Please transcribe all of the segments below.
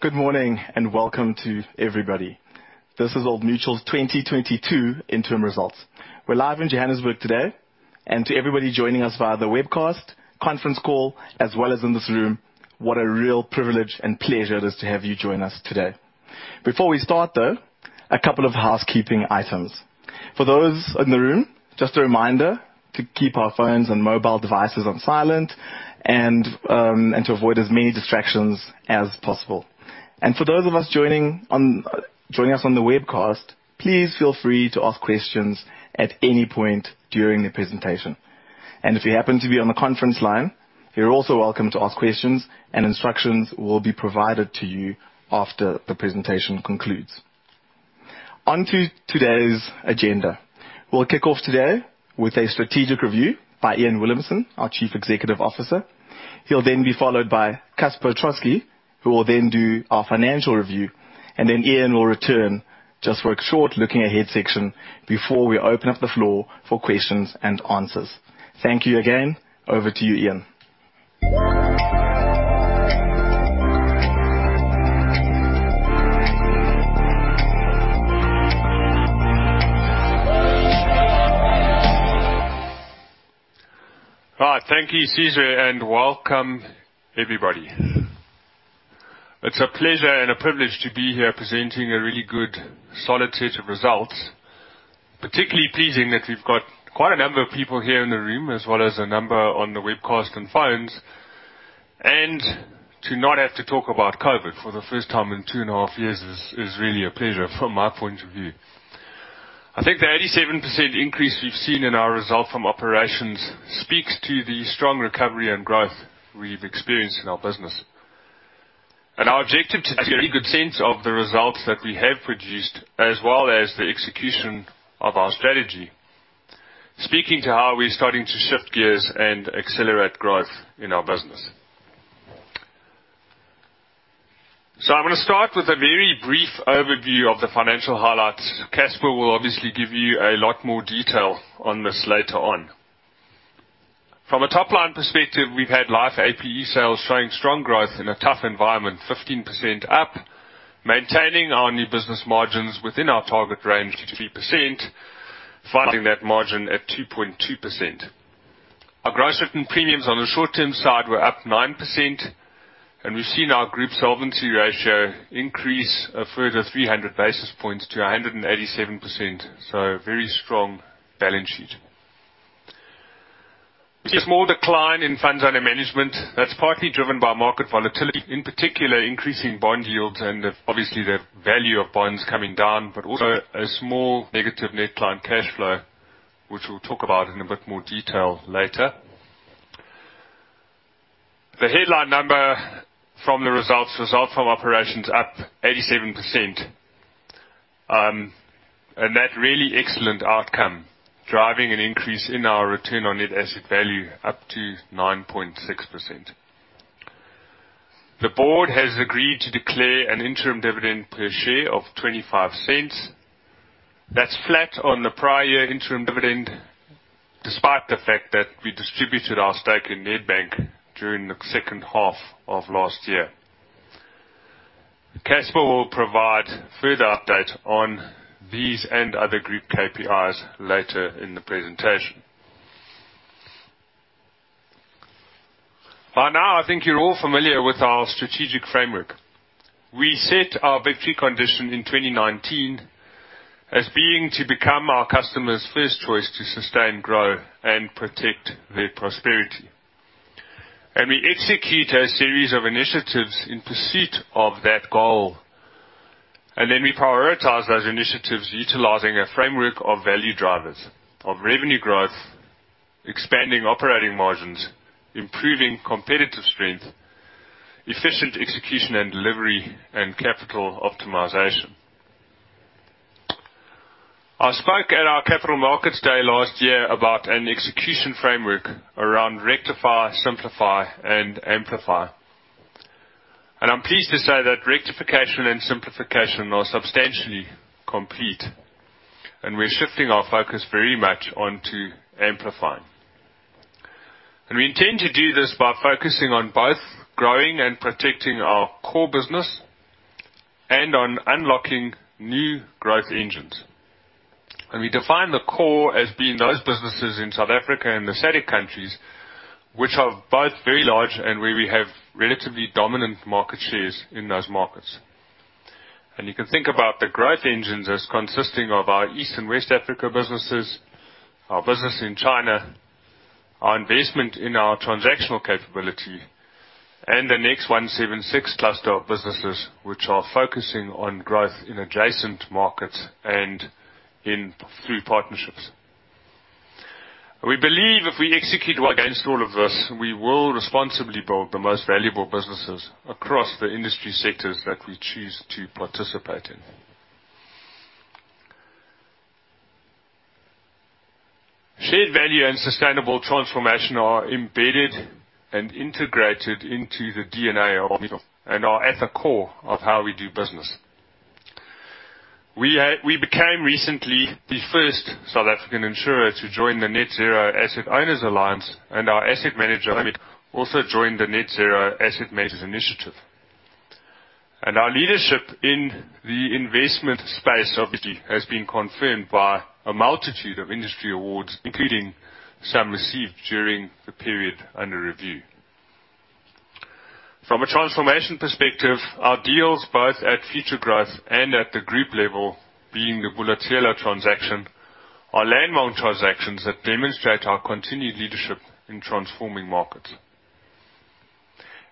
Good morning and welcome to everybody. This is Old Mutual's 2022 interim results. We're live in Johannesburg today. To everybody joining us via the webcast, Conference Call, as well as in this room, what a real privilege and pleasure it is to have you join us today. Before we start, though, a couple of housekeeping items. For those in the room, just a reminder to keep our phones and mobile devices on silent and to avoid as many distractions as possible. For those of us joining us on the webcast, please feel free to ask questions at any point during the presentation. If you happen to be on the conference line, you're also welcome to ask questions and instructions will be provided to you after the presentation concludes. On to today's agenda. We'll kick off today with a strategic review by Iain Williamson, our Chief Executive Officer. He'll then be followed by Casper Troskie, who will then do our financial review, and then Iain will return just for a short looking ahead section before we open up the floor for questions and answers. Thank you again. Over to you, Iain. Hi. Thank you, Celiwe, and welcome everybody. It's a pleasure and a privilege to be here presenting a really good solid set of results. Particularly pleasing that we've got quite a number of people here in the room, as well as a number on the webcast and phones. To not have to talk about COVID-19 for the first time in two and a half-years is really a pleasure from my point of view. I think the 87% increase we've seen in our results from operations speaks to the strong recovery and growth we've experienced in our business. Our objective today a very good sense of the results that we have produced as well as the execution of our strategy, speaking to how we're starting to shift gears and accelerate growth in our business. I'm gonna start with a very brief overview of the financial highlights. Casper will obviously give you a lot more detail on this later on. From a top-line perspective, we've had life APE sales showing strong growth in a tough environment, 15% up, maintaining our new business margins within our target range of 3%, filing that margin at 2.2%. Our gross written premiums on the short-term side were up 9%, and we've seen our group solvency ratio increase a further 300 basis points to 187%. A very strong balance sheet. A small decline in funds under management. That's partly driven by market volatility, in particular, increasing bond yields and obviously the value of bonds coming down, but also a small negative net client cash flow, which we'll talk about in a bit more detail later. The headline number from the results from operations up 87%. That really excellent outcome, driving an increase in our return on net asset value up to 9.6%. The board has agreed to declare an interim dividend per share of 0.25. That's flat on the prior interim dividend, despite the fact that we distributed our stake in Nedbank during the second half of last-year. Casper will provide further update on these and other group KPIs later in the presentation. By now, I think you're all familiar with our strategic framework. We set our victory condition in 2019 as being to become our customers' first choice to sustain, grow, and protect their prosperity. We execute a series of initiatives in pursuit of that goal, and then we prioritize those initiatives utilizing a framework of value drivers of revenue growth, expanding operating margins, improving competitive strength, efficient execution and delivery, and capital optimization. I spoke at our Capital Markets Day last-year about an execution framework around rectify, simplify, and amplify. I'm pleased to say that rectification and simplification are substantially complete, and we're shifting our focus very much on to amplify. We intend to do this by focusing on both growing and protecting our core business and on unlocking new growth engines. We define the core as being those businesses in South Africa and the SADC countries, which are both very large and where we have relatively dominant market shares in those markets. You can think about the growth engines as consisting of our East and West Africa businesses, our business in China, our investment in our transactional capability, and the NEXT176 cluster of businesses which are focusing on growth in adjacent markets and through partnerships. We believe if we execute well against all of this, we will responsibly build the most valuable businesses across the industry sectors that we choose to participate in. Shared value and sustainable transformation are embedded and integrated into the DNA of Old Mutual and are at the core of how we do business. We became recently the first South African insurer to join the Net-Zero Asset Owners AllIaince, and our asset manager also joined the Net-Zero Asset Managers Initiative. Our leadership in the investment space obviously has been confirmed by a multitude of industry awards, including some received during the period under review. From a transformation perspective, our deals both at Futuregrowth and at the group level, being the Bulebelihle transaction, are landmark transactions that demonstrate our continued leadership in transforming markets.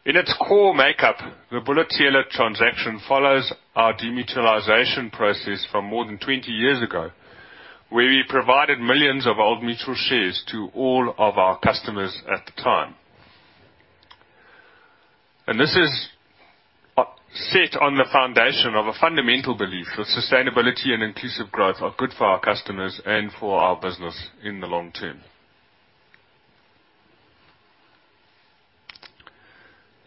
In its core makeup, the Bulebelihle transaction follows our demutualization process from more than 20 years ago, where we provided millions of Old Mutual shares to all of our customers at the time. This is set on the foundation of a fundamental belief that sustainability and inclusive growth are good for our customers and for our business in the long-term.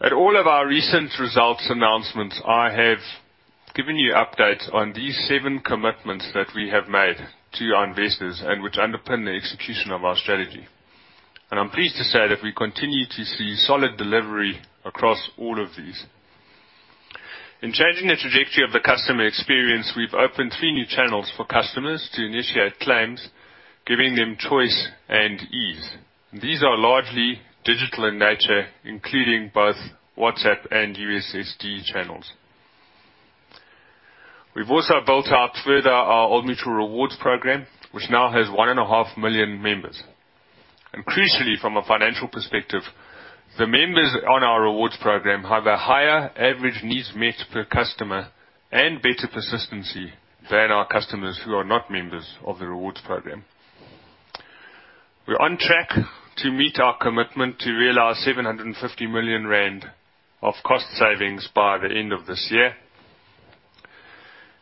At all of our recent results announcements, I have given you updates on these seven commitments that we have made to our investors and which underpin the execution of our strategy. I'm pleased to say that we continue to see solid delivery across all of these. In changing the trajectory of the customer experience, we've opened three new channels for customers to initiate claims, giving them choice and ease. These are largely digital in nature, including both WhatsApp and USSD channels. We've also built out further our Old Mutual Rewards program, which now has 1.5 million members. Crucially, from a financial perspective, the members on our Rewards program have a higher average needs met per customer and better persistency than our customers who are not members of the Rewards program. We're on track to meet our commitment to realize 750 million rand of cost savings by the end of this year.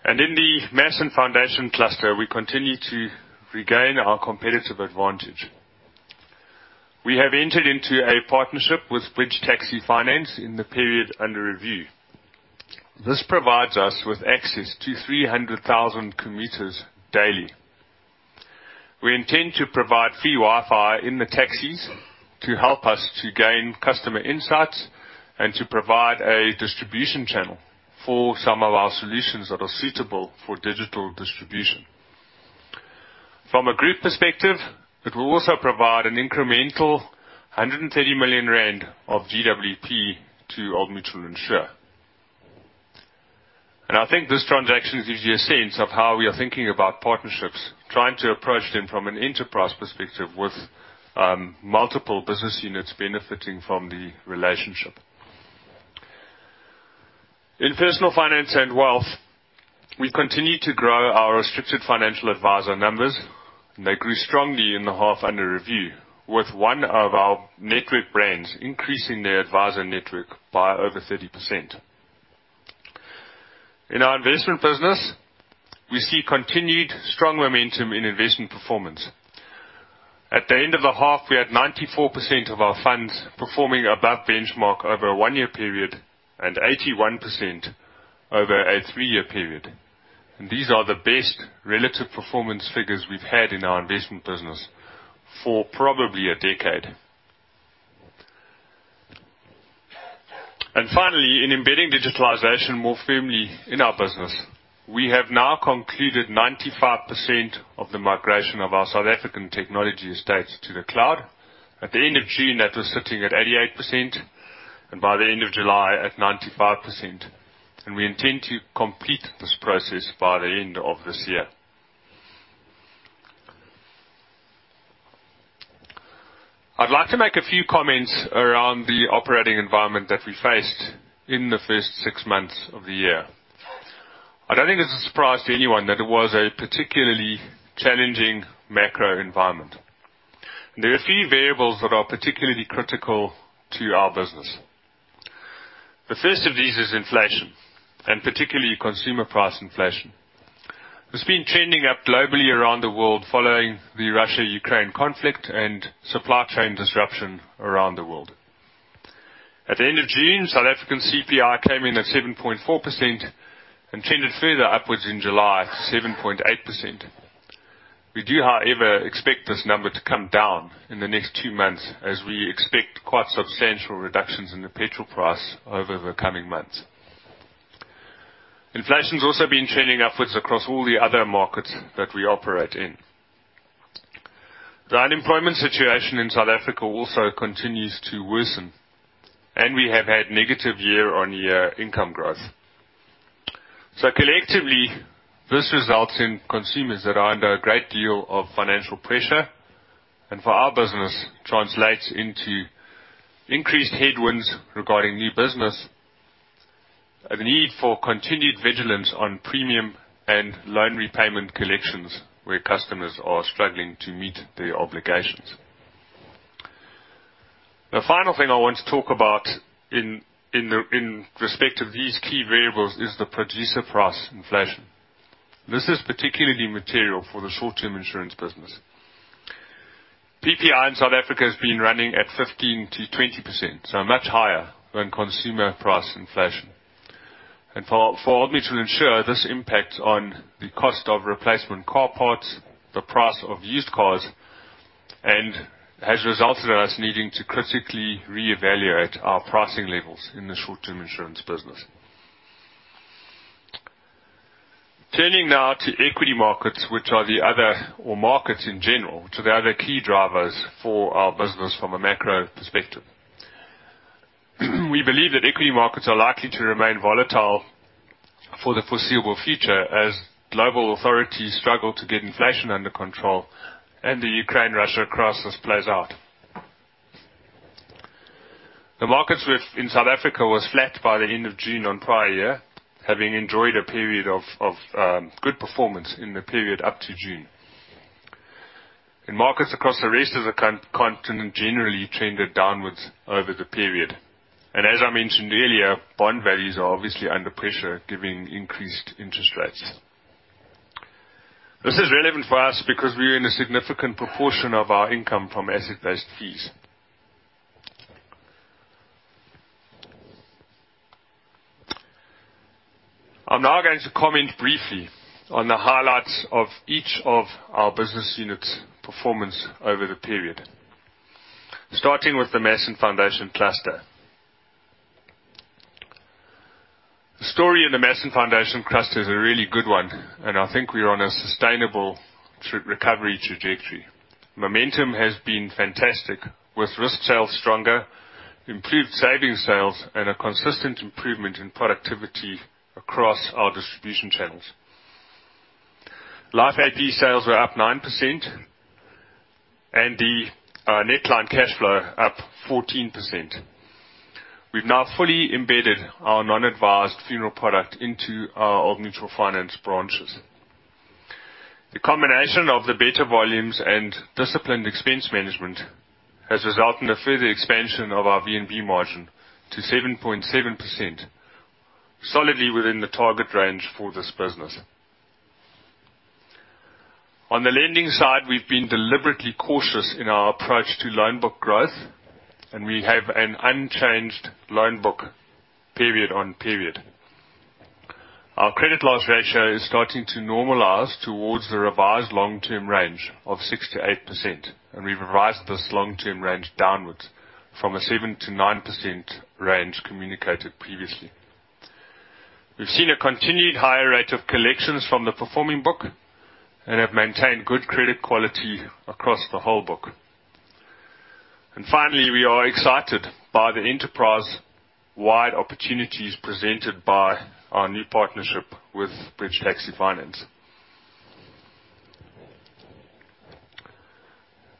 In the Mass & Foundation Cluster, we continue to regain our competitive advantage. We have entered into a partnership with Bridge Taxi Finance in the period under review. This provides us with access to 300,000 commuters daily. We intend to provide free Wi-Fi in the taxis to help us to gain customer insights and to provide a distribution channel for some of our solutions that are suitable for digital distribution. From a group perspective, it will also provide an incremental 130 million rand of GWP to Old Mutual Insure. I think this transaction gives you a sense of how we are thinking about partnerships, trying to approach them from an enterprise perspective with multiple business units benefiting from the relationship. In personal finance and wealth, we continue to grow our restricted financial advisor numbers. They grew strongly in the half under review, with one of our network brands increasing their advisor network by over 30%. In our investment business, we see continued strong momentum in investment performance. At the end of the half, we had 94% of our funds performing above benchmark over a 1-year period and 81% over a 3-year period. These are the best relative performance figures we've had in our investment business for probably a decade. Finally, in embedding digitalization more firmly in our business, we have now concluded 95% of the migration of our South African technology estates to the cloud. At the end of June, that was sitting at 88%, and by the end of July, at 95%. We intend to complete this process by the end of this year. I'd like to make a few comments around the operating environment that we faced in the first six months of the year. I don't think it's a surprise to anyone that it was a particularly challenging macro environment. There are a few variables that are particularly critical to our business. The first of these is inflation, and particularly consumer price inflation. It's been trending up globally around the world following the Russia-Ukraine conflict and supply chain disruption around the world. At the end of June, South African CPI came in at 7.4% and trended further upwards in July to 7.8%. We do, however, expect this number to come down in the next two months as we expect quite substantial reductions in the petrol price over the coming months. Inflation's also been trending upwards across all the other markets that we operate in. The unemployment situation in South Africa also continues to worsen, and we have had negative year-on-year income growth. Collectively, this results in consumers that are under a great deal of financial pressure, and for our business, translates into increased headwinds regarding new business, a need for continued vigilance on premium and loan repayment collections, where customers are struggling to meet their obligations. The final thing I want to talk about in respect of these key variables is the producer price inflation. This is particularly material for the short-term insurance business. PPI in South Africa has been running at 15%-20%, so much higher than consumer price inflation. For Old Mutual Insure, this impacts on the cost of replacement car parts, the price of used cars, and has resulted in us needing to critically reevaluate our pricing levels in the short-term insurance business. Turning now to equity markets, which are the other or markets in general, to the other key drivers for our business from a macro perspective. We believe that equity markets are likely to remain volatile for the foreseeable future as global authorities struggle to get inflation under control and the Ukraine-Russia crisis plays out. The market in South Africa was flat by the end of June year-on-year, having enjoyed a period of good performance in the period up to June. Markets across the rest of the continent generally trended downwards over the period. As I mentioned earlier, bond values are obviously under pressure given increased interest rates. This is relevant for us because we earn a significant proportion of our income from asset-based fees. I'm now going to comment briefly on the highlights of each of our business units' performance over the period, starting with the Mass & Foundation Cluster. The story in the Mass & Foundation Cluster is a really good one, and I think we are on a sustainable true recovery trajectory. Momentum has been fantastic with risk sales stronger, improved savings sales, and a consistent improvement in productivity across our distribution channels. Life APE sales were up 9% and the net client cash flow up 14%. We've now fully embedded our non-advised funeral product into our Old Mutual Finance branches. The combination of the better volumes and disciplined expense management has resulted in a further expansion of our VNB margin to 7.7%, solidly within the target range for this business. On the lending side, we've been deliberately cautious in our approach to loan book growth, and we have an unchanged loan book period-on-period. Our credit loss ratio is starting to normalize towards the revised long-term range of 6%-8%, and we've revised this long-term range downwards from a 7%-9% range communicated previously. We've seen a continued higher rate of collections from the performing book and have maintained good credit quality across the whole book. Finally, we are excited by the enterprise-wide opportunities presented by our new partnership with Bridge Taxi Finance.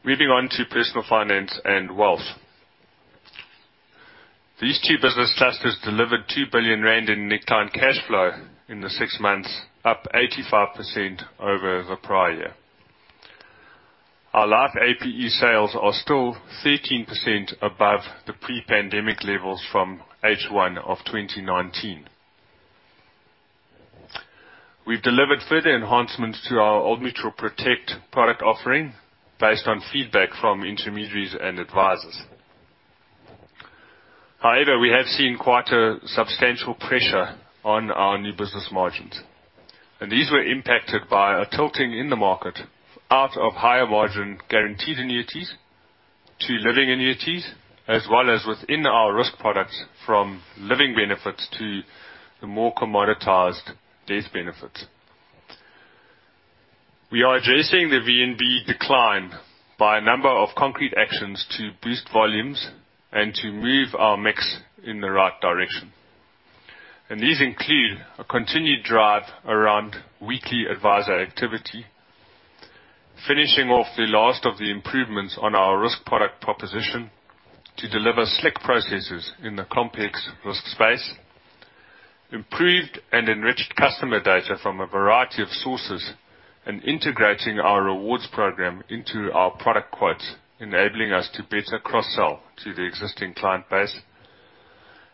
Moving on to Personal Finance and Wealth. These two business clusters delivered 2 billion rand in net time cash flow in the six months, up 85% over the prior year. Our Life APE sales are still 13% above the pre-pandemic levels from H1 of 2019. We've delivered further enhancements to our Old Mutual Protect product offering based on feedback from intermediaries and advisors. However, we have seen quite a substantial pressure on our new business margins, and these were impacted by a tilting in the market out of higher-margin guaranteed annuities to living annuities as well as within our risk products from living benefits to the more commoditized death benefits. We are addressing the VNB decline by a number of concrete actions to boost volumes and to move our mix in the right direction. These include a continued drive around weekly advisor activity, finishing off the last of the improvements on our risk product proposition to deliver slick processes in the complex risk space, improved and enriched customer data from a variety of sources, and integrating our rewards program into our product quotes, enabling us to better cross-sell to the existing client base.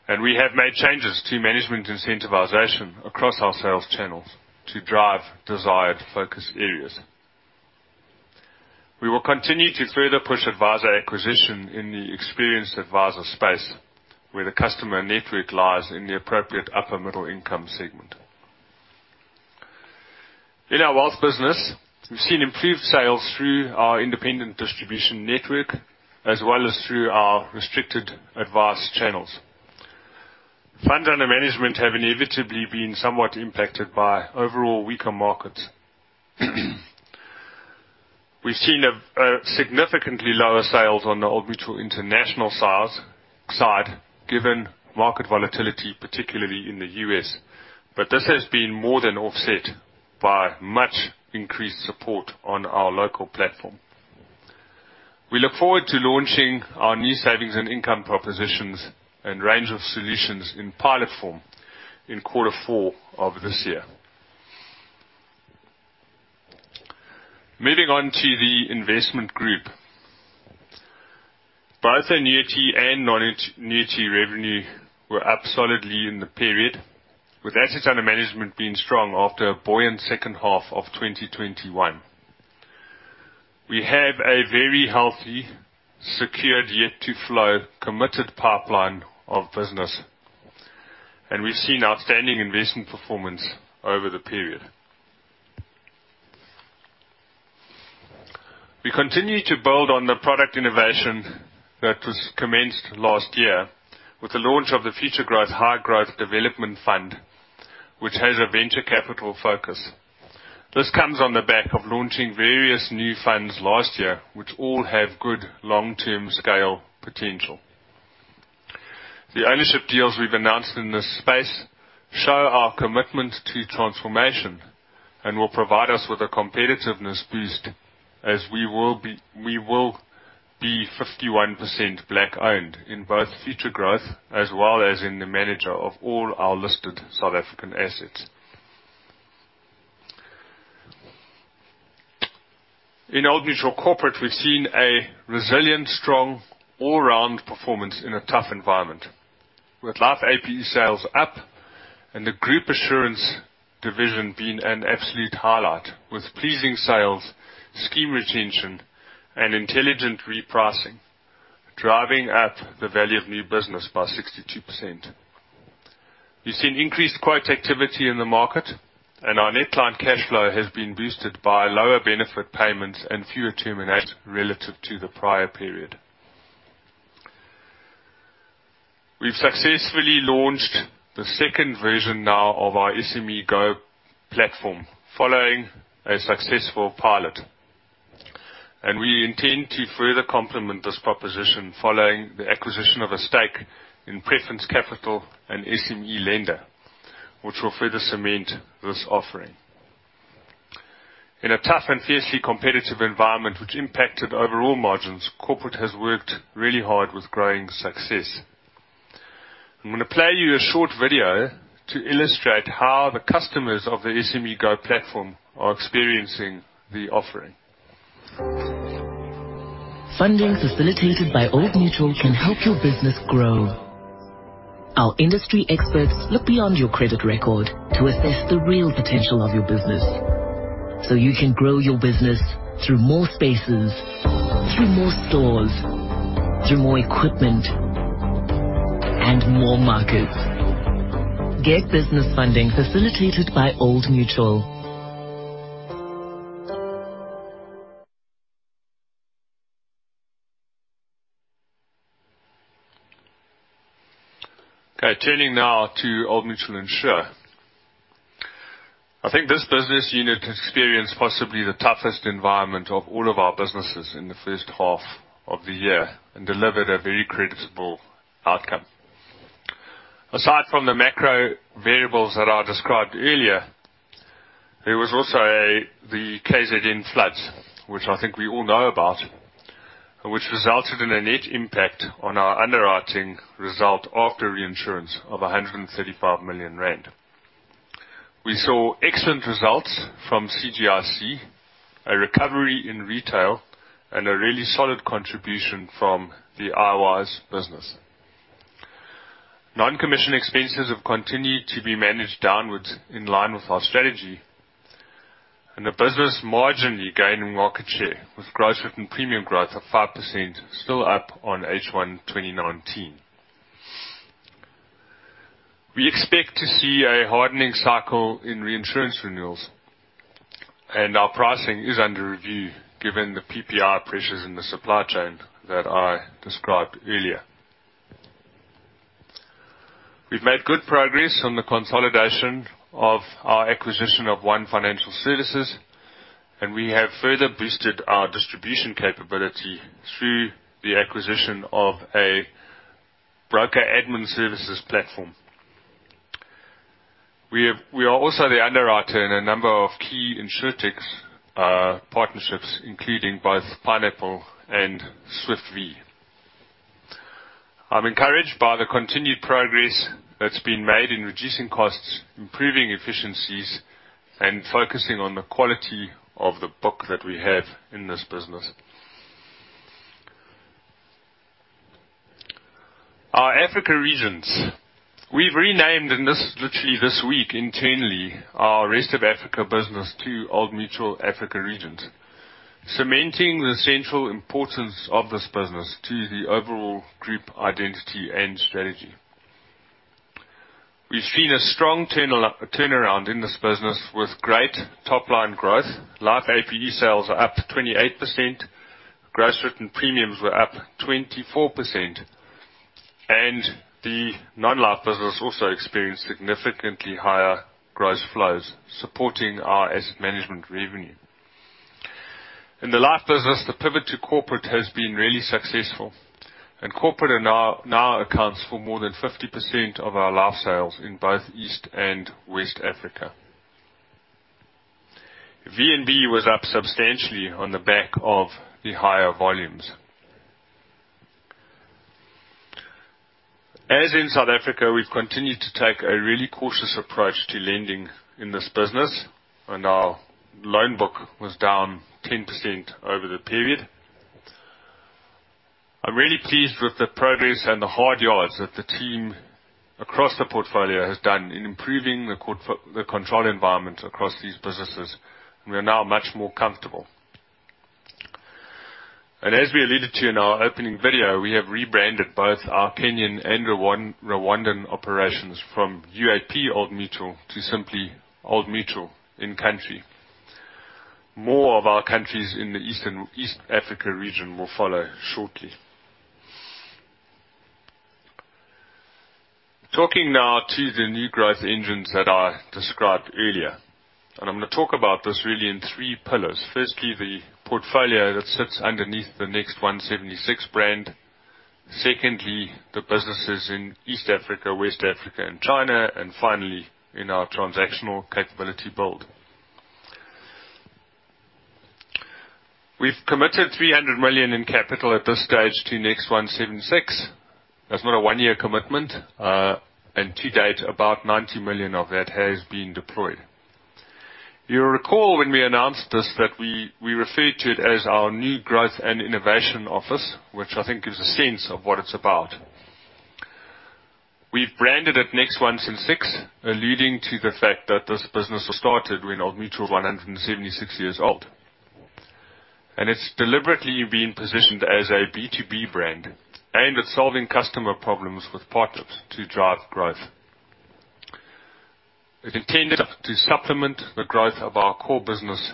We have made changes to management incentivization across our sales channels to drive desired focus areas. We will continue to further push advisor acquisition in the experienced advisor space, where the customer network lies in the appropriate upper middle income segment. In our wealth business, we've seen improved sales through our independent distribution network as well as through our restricted advanced channels. Funds under management have inevitably been somewhat impacted by overall weaker markets. We've seen a significantly lower sales on the Old Mutual International offshore side given market volatility, particularly in the U.S., but this has been more than offset by much increased support on our local platform. We look forward to launching our new savings and income propositions and range of solutions in pilot form in Q4 this year. Moving on to the investment group. Both the annuity and non-annuity revenue were up solidly in the period, with assets under management being strong after a buoyant second half of 2021. We have a very healthy, secured yet to flow committed pipeline of business, and we've seen outstanding investment performance over the period. We continue to build on the product innovation that was commenced last-year with the launch of the Futuregrowth High Growth Development Fund, which has a venture capital focus. This comes on the back of launching various new funds last-year, which all have good long-term scale potential. The ownership deals we've announced in this space show our commitment to transformation and will provide us with a competitiveness boost as we will be 51% black-owned in both Futuregrowth as well as in the manager of all our listed South African assets. In Old Mutual Corporate, we've seen a resilient, strong all-round performance in a tough environment, with Life APE sales up and the group assurance division being an absolute highlight, with pleasing sales, scheme retention and intelligent repricing, driving up the value of new business by 62%. We've seen increased quote activity in the market and our net client cash flow has been boosted by lower benefit payments and fewer terminations relative to the prior period. We've successfully launched the second version now of our SMEgo platform following a successful pilot, and we intend to further complement this proposition following the acquisition of a stake in Preference Capital, an SME lender, which will further cement this offering. In a tough and fiercely competitive environment which impacted overall margins, Corporate has worked really hard with growing success. I'm gonna play you a short video to illustrate how the customers of the SMEgo platform are experiencing the offering. Funding facilitated by Old Mutual can help your business grow. Our industry experts look beyond your credit record to assess the real potential of your business, so you can grow your business through more spaces, through more stores, through more equipment and more markets. Get business funding facilitated by Old Mutual. Okay, turning now to Old Mutual Insure. I think this business unit experienced possibly the toughest environment of all of our businesses in the first half of the year and delivered a very creditable outcome. Aside from the macro variables that I described earlier, there was also the KZN floods, which I think we all know about, which resulted in a net impact on our underwriting result after reinsurance of 135 million rand. We saw excellent results from CGIC, a recovery in retail and a really solid contribution from the IWS business. Non-commission expenses have continued to be managed downwards in line with our strategy and the business marginally gained market share with gross written premium growth of 5% still up on H1 2019. We expect to see a hardening cycle in reinsurance renewals and our pricing is under review given the PPI pressures in the supply chain that I described earlier. We've made good progress on the consolidation of our acquisition of ONE Financial Services, and we have further boosted our distribution capability through the acquisition of a broker admin services platform. We are also the underwriter in a number of key Insurtechs partnerships, including both Pineapple and SwiftVee. I'm encouraged by the continued progress that's been made in reducing costs, improving efficiencies, and focusing on the quality of the book that we have in this business. Our Africa Regions. We've renamed, and this is literally this week internally, our rest of Africa business to Old Mutual Africa Regions, cementing the central importance of this business to the overall group identity and strategy. We've seen a strong turnaround in this business with great top-line growth. Life APE sales are up 28%. Gross written premiums were up 24%, and the non-life business also experienced significantly higher gross flows supporting our asset management revenue. In the life business, the pivot to corporate has been really successful and corporate now accounts for more than 50% of our life sales in both East and West Africa. VNB was up substantially on the back of the higher volumes. As in South Africa, we've continued to take a really cautious approach to lending in this business, and our loan book was down 10% over the period. I'm really pleased with the progress and the hard yards that the team across the portfolio has done in improving the control environment across these businesses. We are now much more comfortable. As we alluded to in our opening video, we have rebranded both our Kenyan and Rwandan operations from UAP Old Mutual to simply Old Mutual in country. More of our countries in the East Africa region will follow shortly. Talking now to the new growth engines that I described earlier, and I'm gonna talk about this really in three pillars. Firstly, the portfolio that sits underneath the NEXT176 brand. Secondly, the businesses in East Africa, West Africa, and China. Finally, in our transactional capability build. We've committed 300 million in capital at this stage to NEXT176. That's not a one-year commitment. And to date, about 90 million of that has been deployed. You'll recall when we announced this that we referred to it as our new growth and innovation office, which I think gives a sense of what it's about. We've branded it Next 176, alluding to the fact that this business was started when Old Mutual was 176 years old. It's deliberately being positioned as a B2B brand aimed at solving customer problems with partners to drive growth. It intended to supplement the growth of our core business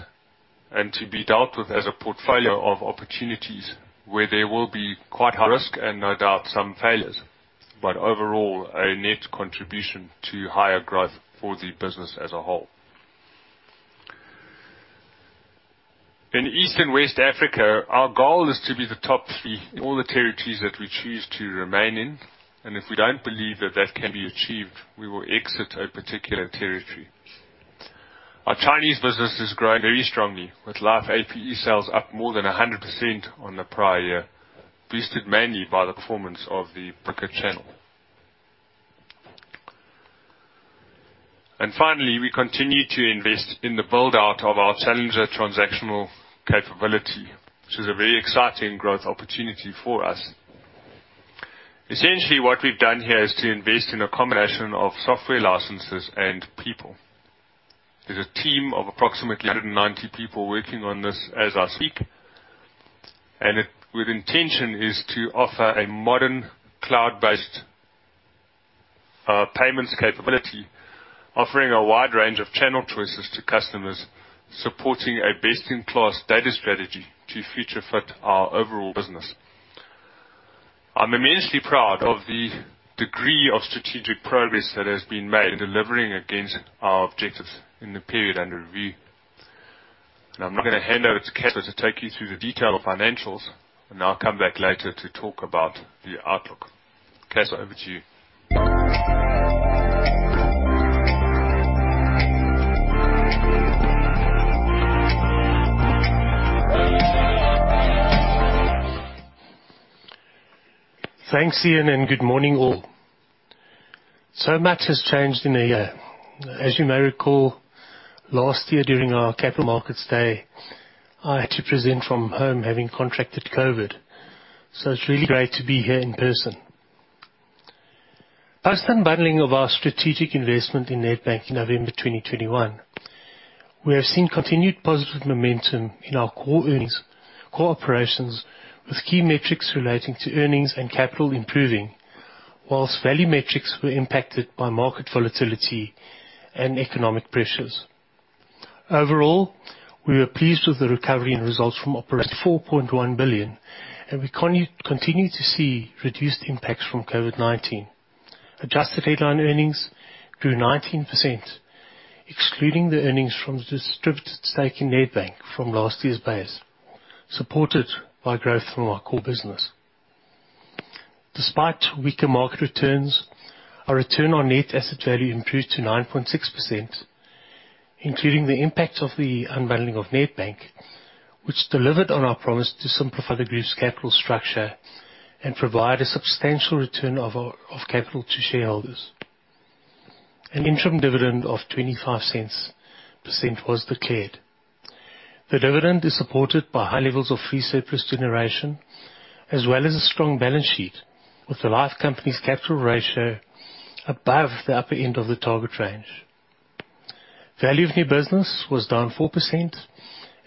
and to be dealt with as a portfolio of opportunities where there will be quite high-risk and no doubt some failures, but overall a net contribution to higher growth for the business as a whole. In East and West Africa, our goal is to be the top-three in all the territories that we choose to remain in. If we don't believe that that can be achieved, we will exit a particular territory. Our Chinese business has grown very strongly, with Life APE sales up more than 100% on the prior year, boosted mainly by the performance of the broker channel. Finally, we continue to invest in the build-out of our challenger transactional capability, which is a very exciting growth opportunity for us. Essentially, what we've done here is to invest in a combination of software licenses and people. There's a team of approximately 190 people working on this as I speak, and its intention is to offer a modern cloud-based payments capability, offering a wide range of channel choices to customers, supporting a best-in-class data strategy to future fit our overall business. I'm immensely proud of the degree of strategic progress that has been made in delivering against our objectives in the period under review. Now I'm gonna hand over to Casper to take you through the detail of financials, and I'll come back later to talk about the outlook. Casper, over to you. Thanks, Iain, and good morning, all. Much has changed in a year. As you may recall, last year during our capital markets day, I had to present from home having contracted COVID-19. It's really great to be here in person. Post unbundling of our strategic investment in Nedbank in November 2021, we have seen continued positive momentum in our core earnings, core operations, with key metrics relating to earnings and capital improving, while value metrics were impacted by market volatility and economic pressures. Overall, we were pleased with the recovery and results from operations, 4.1 billion, and we continue to see reduced impacts from COVID-19. Adjusted headline earnings grew 19%, excluding the earnings from the distributed stake in Nedbank from last-year's base, supported by growth from our core business. Despite weaker market returns, our return on net asset value improved to 9.6%, including the impact of the unbundling of Nedbank, which delivered on our promise to simplify the group's capital structure and provide a substantial return of capital to shareholders. An interim dividend of 0.25 was declared. The dividend is supported by high-levels of free surplus generation as well as a strong balance sheet with the Life company's capital ratio above the upper end of the target range. Value of new business was down 4%,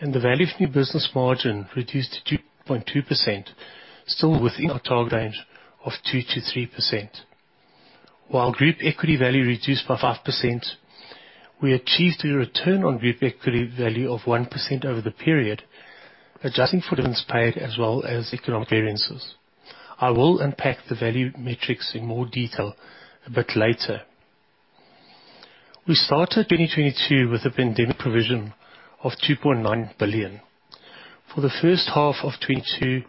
and the value of new business margin reduced to 2.2%, still within our target range of 2%-3%. While group equity value reduced by 5%, we achieved a return on group equity value of 1% over the period, adjusting for dividends paid as well as economic varIainces. I will unpack the value metrics in more detail a bit later. We started 2022 with a pandemic provision of 2.9 billion. For the first half of 2022,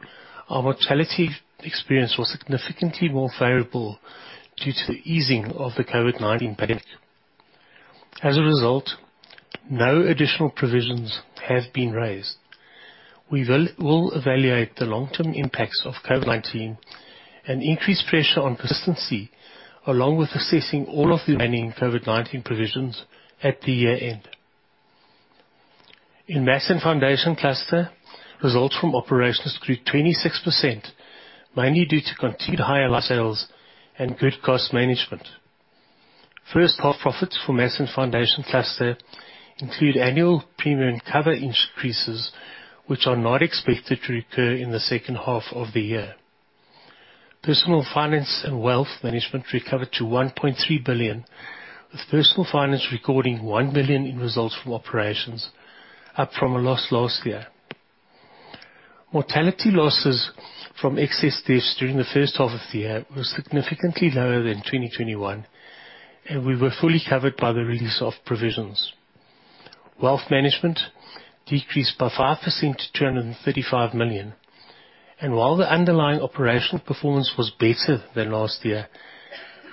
our mortality experience was significantly more favorable due to the easing of the COVID-19 pandemic. As a result, no additional provisions have been raised. We will evaluate the long-term impacts of COVID-19 and increased pressure on persistency, along with assessing all of the remaining COVID-19 provisions at the year-end. In Mass & Foundation Cluster, results from operations grew 26%, mainly due to continued higher life sales and good cost management. First half profits for Mass & Foundation Cluster include annual premium cover increases, which are not expected to recur in the second half of the year. Personal finance and wealth management recovered to 1.3 billion, with personal finance recording 1 billion in results from operations, up from a loss last-year. Mortality losses from excess deaths during the first half of the year were significantly lower than 2021, and we were fully covered by the release of provisions. Wealth management decreased by 5% to 235 million. While the underlying operational performance was better than last-year,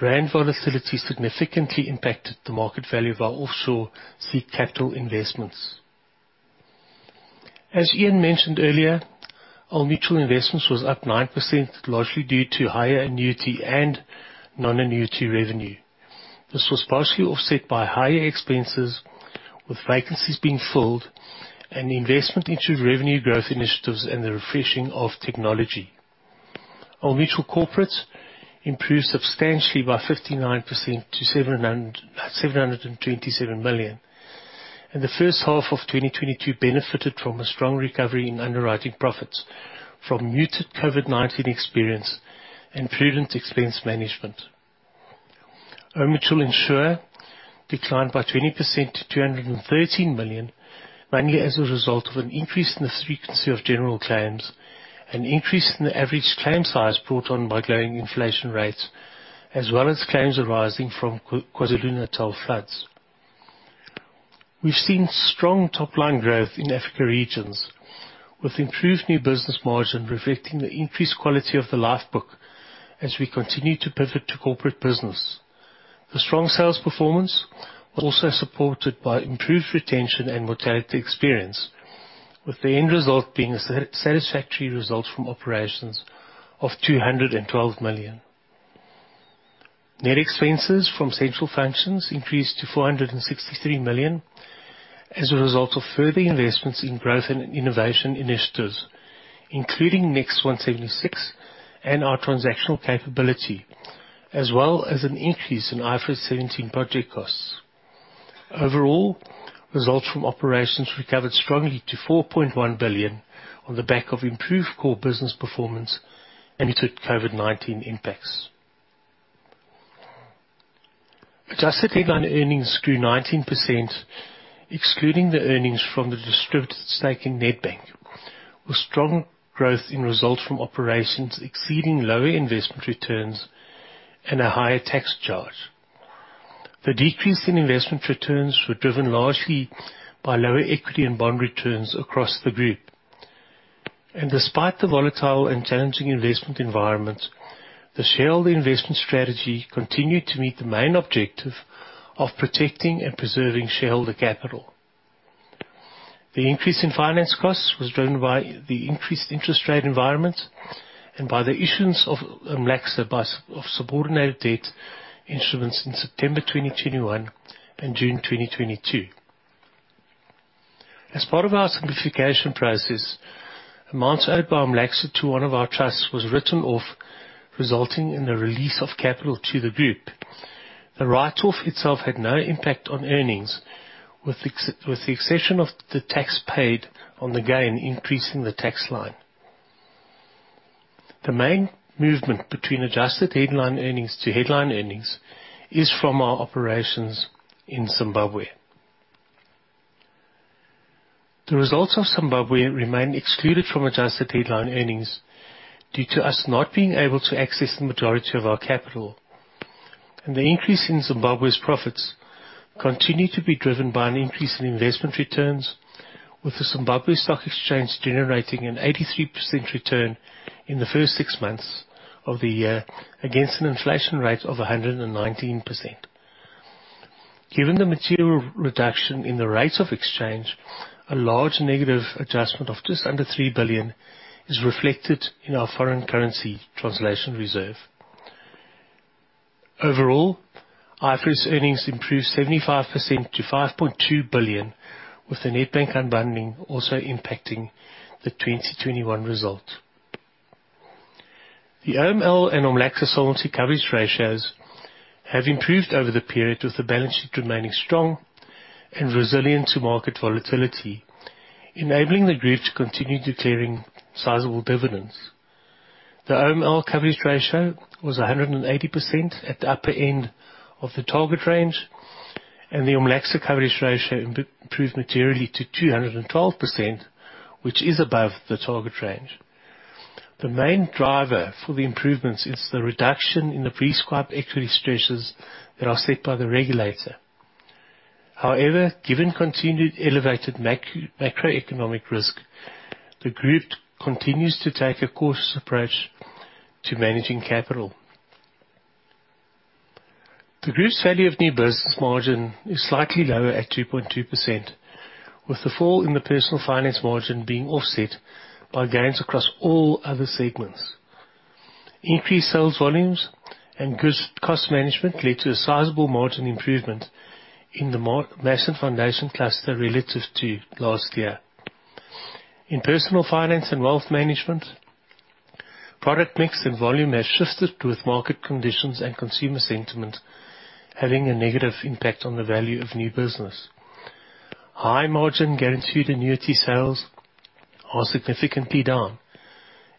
rand volatility significantly impacted the market value of our offshore seed capital investments. As Iain mentioned earlier, Old Mutual Investments was up 9%, largely due to higher annuity and non-annuity revenue. This was partially offset by higher expenses, with vacancies being filled and investment into revenue growth initiatives and the refreshing of technology. Old Mutual Corporate improved substantially by 59% to 727 million, and the first half of 2022 benefited from a strong recovery in underwriting profits from muted COVID-19 experience and prudent expense management. Old Mutual Insure declined by 20% to 213 million, mainly as a result of an increase in the frequency of general claims, an increase in the average claim size brought on by growing inflation rates, as well as claims arising from KwaZulu-Natal floods. We've seen strong top-line growth in Africa regions, with improved new business margin reflecting the increased quality of the life book as we continue to pivot to corporate business. The strong sales performance was also supported by improved retention and mortality experience, with the end result being a satisfactory result from operations of 212 million. Net expenses from central functions increased to 463 million as a result of further investments in growth and innovation initiatives, including NEXT176 and our transactional capability, as well as an increase in IFRS 17 project costs. Overall, results from operations recovered strongly to 4.1 billion on the back of improved core business performance and muted COVID-19 impacts. Adjusted headline earnings grew 19%, excluding the earnings from the distributed stake in Nedbank, with strong growth in results from operations exceeding lower investment returns and a higher tax charge. The decrease in investment returns were driven largely by lower equity and bond returns across the group. Despite the volatile and challenging investment environment, the shareholder investment strategy continued to meet the main objective of protecting and preserving shareholder capital. The increase in finance costs was driven by the increased interest rate environment and by the issuance by OMLACSA of subordinated debt instruments in September 2021 and June 2022. As part of our simplification process, amounts owed by OMLACSA to one of our trusts was written off, resulting in the release of capital to the group. The write-off itself had no impact on earnings, with the exception of the tax paid on the gain increasing the tax line. The main movement between adjusted headline earnings to headline earnings is from our operations in Zimbabwe. The results of Zimbabwe remain excluded from adjusted headline earnings due to us not being able to access the majority of our capital. The increase in Zimbabwe's profits continue to be driven by an increase in investment returns, with the Zimbabwe Stock Exchange generating an 83% return in the first six months of the year against an inflation rate of 119%. Given the material reduction in the rates of exchange, a large negative adjustment of just under 3 billion is reflected in our foreign currency translation reserve. Overall, IFRS earnings improved 75% to 5.2 billion, with the Nedbank unbundling also impacting the 2021 result. The OML and OMLACSA solvency coverage ratios have improved over the period, with the balance sheet remaining strong and resilient to market volatility, enabling the group to continue declaring sizable dividends. The OML coverage ratio was 100% at the upper end of the target range, and the OMLACSA coverage ratio improved materially to 212%, which is above the target range. The main driver for the improvements is the reduction in the prescribed equity stresses that are set by the regulator. However, given continued elevated macroeconomic risk, the group continues to take a cautious approach to managing capital. The group's value of new business margin is slightly lower at 2.2%, with the fall in the personal finance margin being offset by gains across all other segments. Increased sales volumes and good cost management led to a sizable margin improvement in the Mass & Foundation Cluster relative to last-ear. In personal finance and wealth management, product mix and volume has shifted with market conditions and consumer sentiment having a negative impact on the value of new business. High-margin guaranteed annuity sales are significantly down.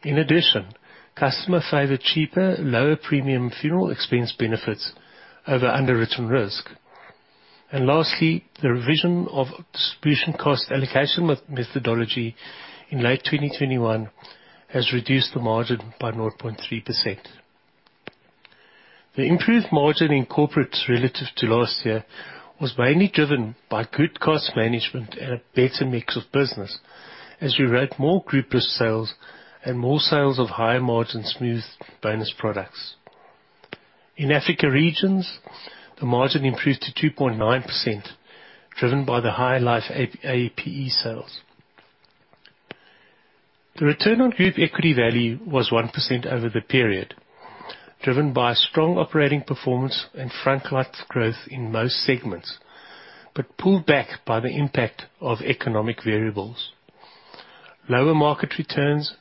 In addition, customer favor cheaper, lower remium funeral expense benefits over underwritten risk. Lastly, the revision of distribution cost allocation methodology in late 2021 has reduced the margin by 0.3%. The improved margin in corporates relative to last-ear was mainly driven by good cost management and a better mix of business as we wrote more group risk sales and more sales of higher margin smooth bonus products. In Africa Regions, the margin improved to 2.9%, driven by the high Life APE sales. The return on group equity value was 1% over the period, driven by strong operating performance and front-loaded growth in most segments, but pulled back by the impact of economic variables. Lower market returns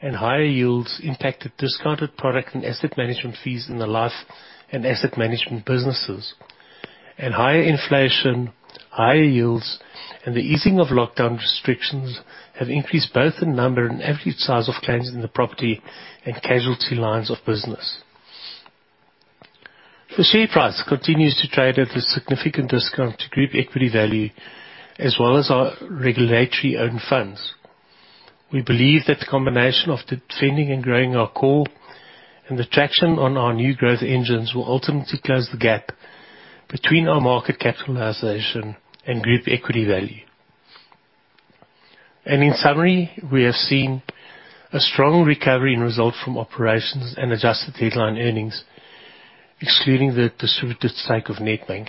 and higher yields impacted discounted product and asset management fees in the life and asset management businesses. Higher inflation, higher yields, and the easing of lockdown restrictions have increased both the number and average size of claims in the property and casualty lines of business. The share price continues to trade at a significant discount to group equity value as well as our regulatory own funds. We believe that the combination of defending and growing our core and the traction on our new growth engines will ultimately close the gap between our market capitalization and group equity value. In summary, we have seen a strong recovery in results from operations and adjusted headline earnings, excluding the distributed stake of Nedbank.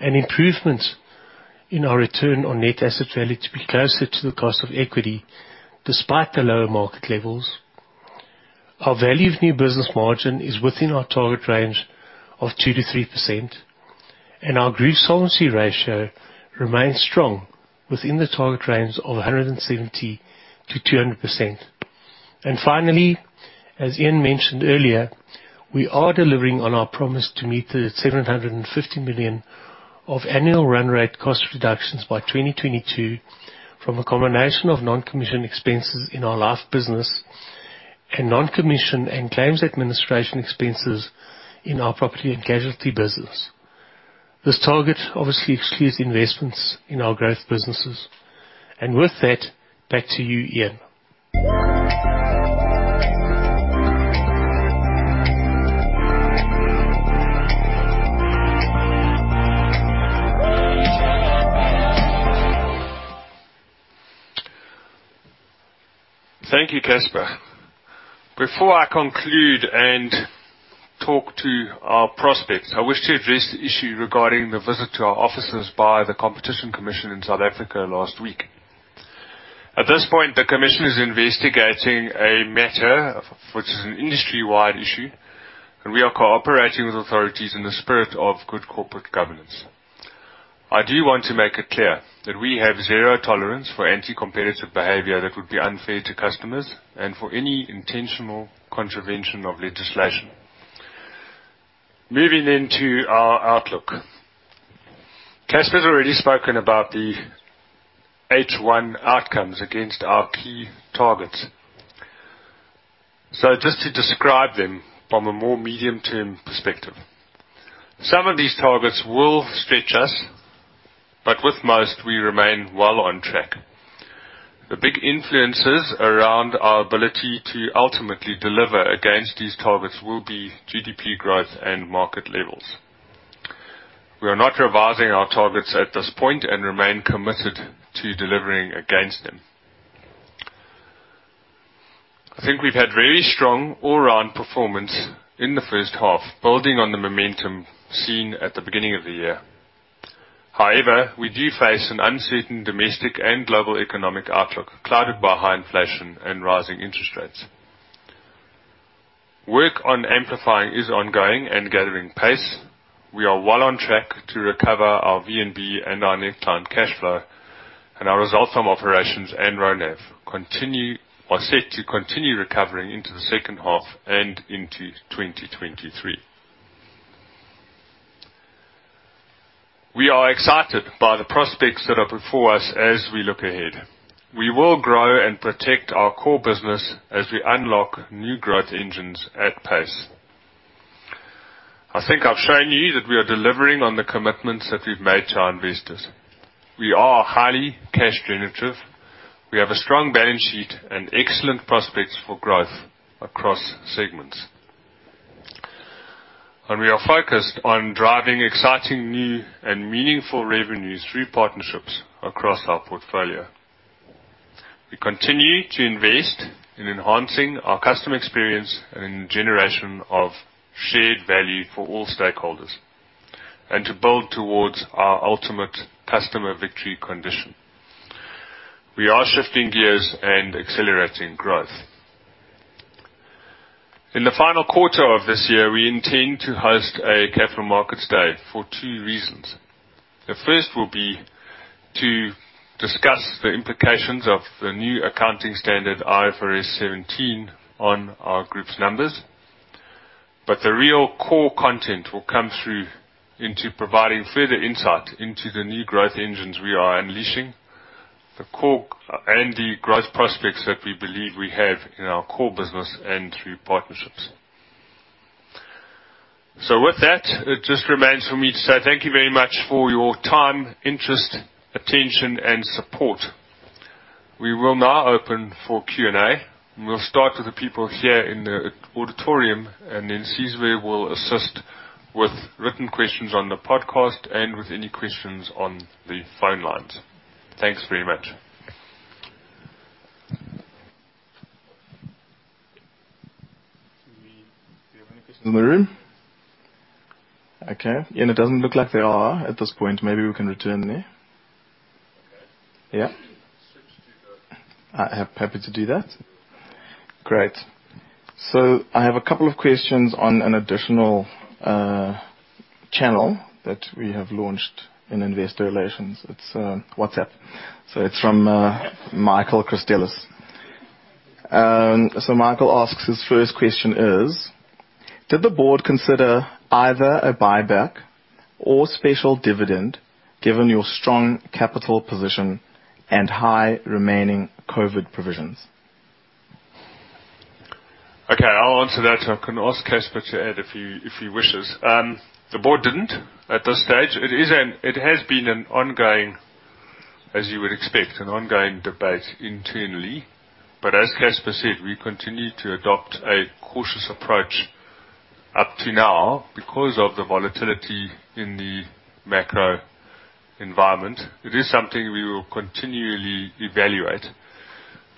An improvement in our return on net asset value to be closer to the cost of equity despite the lower market levels. Our value of new business margin is within our target range of 2%-3%, and our group solvency ratio remains strong within the target range of 170%-200%. Finally, as Iain mentioned earlier, we are delivering on our promise to meet 750 million of annual run rate cost reductions by 2022 from a combination of non-commission expenses in our life business and non-commission and claims administration expenses in our property and casualty business. This target obviously excludes investments in our growth businesses. With that, back to you, Iain. Thank you, Casper. Before I conclude and talk to our prospects, I wish to address the issue regarding the visit to our offices by the Competition Commission in South Africa last week. At this point, the commission is investigating a matter which is an industry-wide issue, and we are cooperating with authorities in the spirit of good corporate governance. I do want to make it clear that we have zero tolerance for anti-competitive behavior that would be unfair to customers and for any intentional contravention of legislation. Moving into our outlook. Casper's already spoken about the H1 outcomes against our key targets. Just to describe them from a more medium-term perspective. Some of these targets will stretch us, but with most, we remain well on track. The big influences around our ability to ultimately deliver against these targets will be GDP growth and market levels. We are not revising our targets at this point and remain committed to delivering against them. I think we've had very strong all-around performance in the first half, building on the momentum seen at the beginning of the year. However, we do face an uncertain domestic and global economic outlook clouded by high inflation and rising interest rates. Work on amplifying is ongoing and gathering pace. We are well on track to recover our VNB and our net client cash flow. Our results from operations and RONAF are set to continue recovering into the second half and into 2023. We are excited by the prospects that are before us as we look ahead. We will grow and protect our core business as we unlock new growth engines at pace. I think I've shown you that we are delivering on the commitments that we've made to our investors. We are highly cash generative. We have a strong balance sheet and excellent prospects for growth across segments. We are focused on driving exciting new and meaningful revenues through partnerships across our portfolio. We continue to invest in enhancing our customer experience and in generation of shared value for all stakeholders and to build towards our ultimate customer victory condition. We are shifting gears and accelerating growth. In the final quarter of this year, we intend to host a capital markets day for two reasons. The first will be to discuss the implications of the new accounting standard, IFRS 17, on our group's numbers. The real core content will come through into providing further insight into the new growth engines we are unleashing. The core and the growth prospects that we believe we have in our core business and through partnerships. With that, it just remains for me to say thank you very much for your time, interest, attention and support. We will now open for Q&A, and we'll start with the people here in the auditorium, and then Celiwe will assist with written questions on the podcast and with any questions on the phone lines. Thanks very much. Do we have any questions in the room? Okay. Iain, it doesn't look like there are at this point. Maybe we can return there. Okay. Yeah. Switch to the- Happy to do that. Great. I have a couple of questions on an additional channel that we have launched in investor relations. It's WhatsApp. It's from Michael Christelis. Michael asks, his first question is: Did the board consider either a buyback or special dividend given your strong capital position and high remaining COVID provisions? Okay, I'll answer that. I can ask Casper to add if he wishes. The board didn't at this stage. It has been an ongoing, as you would expect, debate internally. As Casper said, we continue to adopt a cautious approach up to now because of the volatility in the macro environment. It is something we will continually evaluate.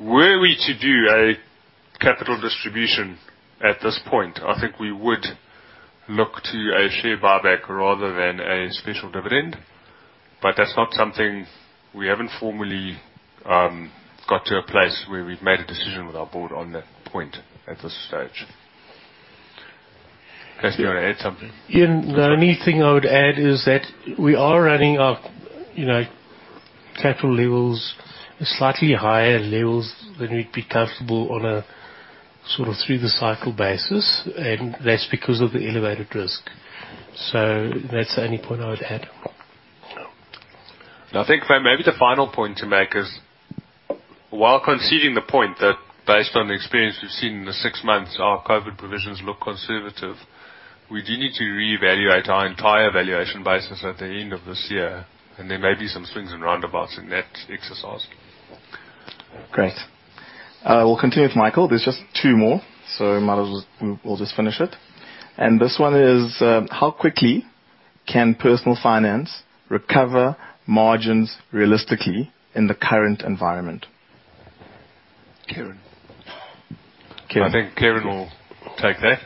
Were we to do a capital distribution at this point, I think we would look to a share buyback rather than a special dividend. That's not something we haven't formally got to a place where we've made a decision with our board on that point at this stage. Casper, you want to add something? Iain, the only thing I would add is that we are running our, you know, capital levels at slightly higher-levels than we'd be comfortable on a sort of through the cycle basis, and that's because of the elevated risk. That's the only point I would add. Yeah. I think maybe the final point to make is, while conceding the point that based on the experience we've seen in the six months, our COVID provisions look conservative, we do need to reevaluate our entire valuation basis at the end of this year, and there may be some swings and roundabouts in that exercise. Great. We'll continue with Michael. There's just two more. Might as well, we'll just finish it. This one is: How quickly can Personal Finance recover margins realistically in the current environment? Kerrin. Kerrin. I think Kerrin will take that.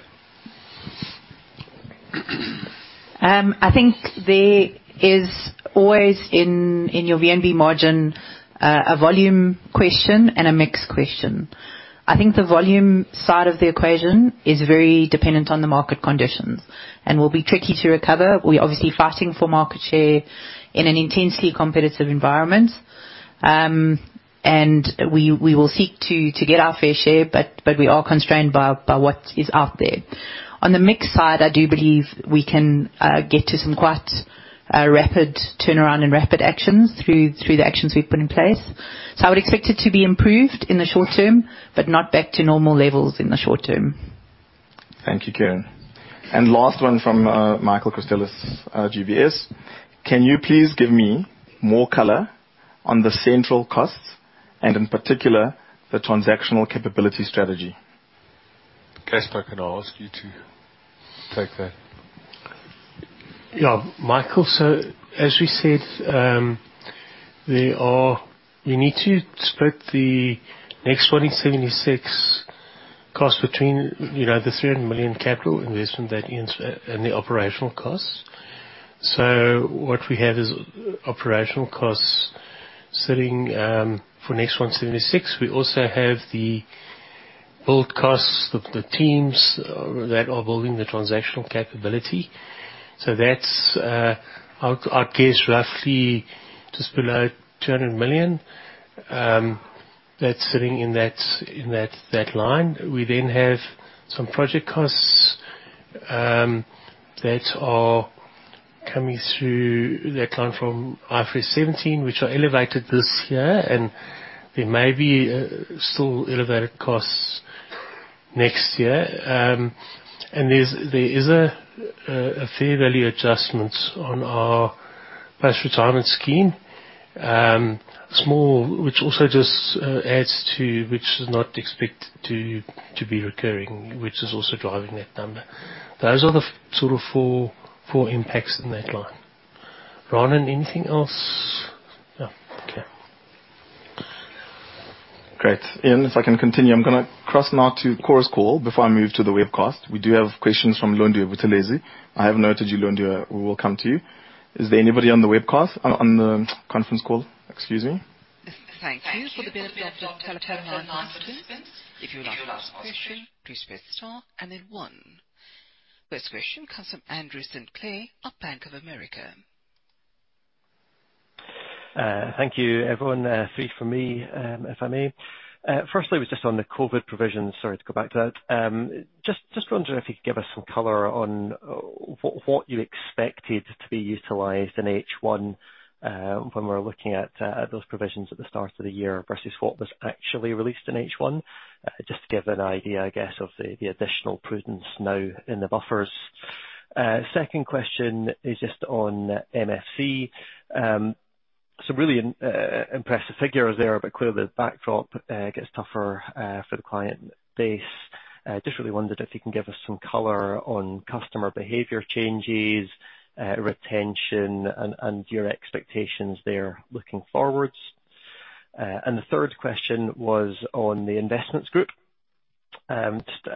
I think there is always in your VNB margin a volume question and a mix question. I think the volume side of the equation is very dependent on the market conditions and will be tricky to recover. We're obviously fighting for market share in an intensely competitive environment. We will seek to get our fair share, but we are constrained by what is out there. On the mix side, I do believe we can get to some quite rapid turnaround and rapid actions through the actions we've put in place. I would expect it to be improved in the short-term, but not back to normal levels in the short-term. Thank you, Kerrin. Last one from Michael Christelis, GBS. Can you please give me more color on the central costs and in particular, the transactional capability strategy? Casper, can I ask you to take that? Yeah. Michael, as we said, you need to split the NEXT176 cost between, you know, the 300 million capital investment that Iain said and the operational costs. What we have is operational costs sitting for NEXT176. We also have the build costs, the teams that are building the transactional capability. That's, I'd guess roughly just below 200 million, that's sitting in that line. We then have some project costs that are coming through their account from IFRS 17, which are elevated this year, and there may be still elevated costs next year. There is a fair value adjustment on our Plus retirement scheme. Small, which also just adds to which is not expected to be recurring, which is also driving that number. Those are the sort of four impacts in that line. Ranen, anything else? No. Okay. Great. Iain, if I can continue. I'm gonna cross now to Chorus Call before I move to the webcast. We do have questions from Londiwe Buthelezi. I have noted you, Londiwe. We will come to you. Is there anybody on the webcast? On the Conference Call. Excuse me. Thank you for the bit of the Chorus Call terminal announcement. If you would like to ask a question, please press star and then one. First question comes from Andrew Sinclair of Bank of America. Thank you, everyone. 3 from me, if I may. Firstly was just on the COVID provision. Sorry to go back to that. Just wondering if you could give us some color on what you expected to be utilized in H1 when we're looking at those provisions at the start of the year versus what was actually released in H1. Just to give an idea, I guess, of the additional prudence now in the buffers. Second question is just on MFC. Some really impressive figures there, but clearly the backdrop gets tougher for the client base. Just really wondered if you can give us some color on customer behavior changes, retention and your expectations there looking forwards. And the third question was on the investments group. Just,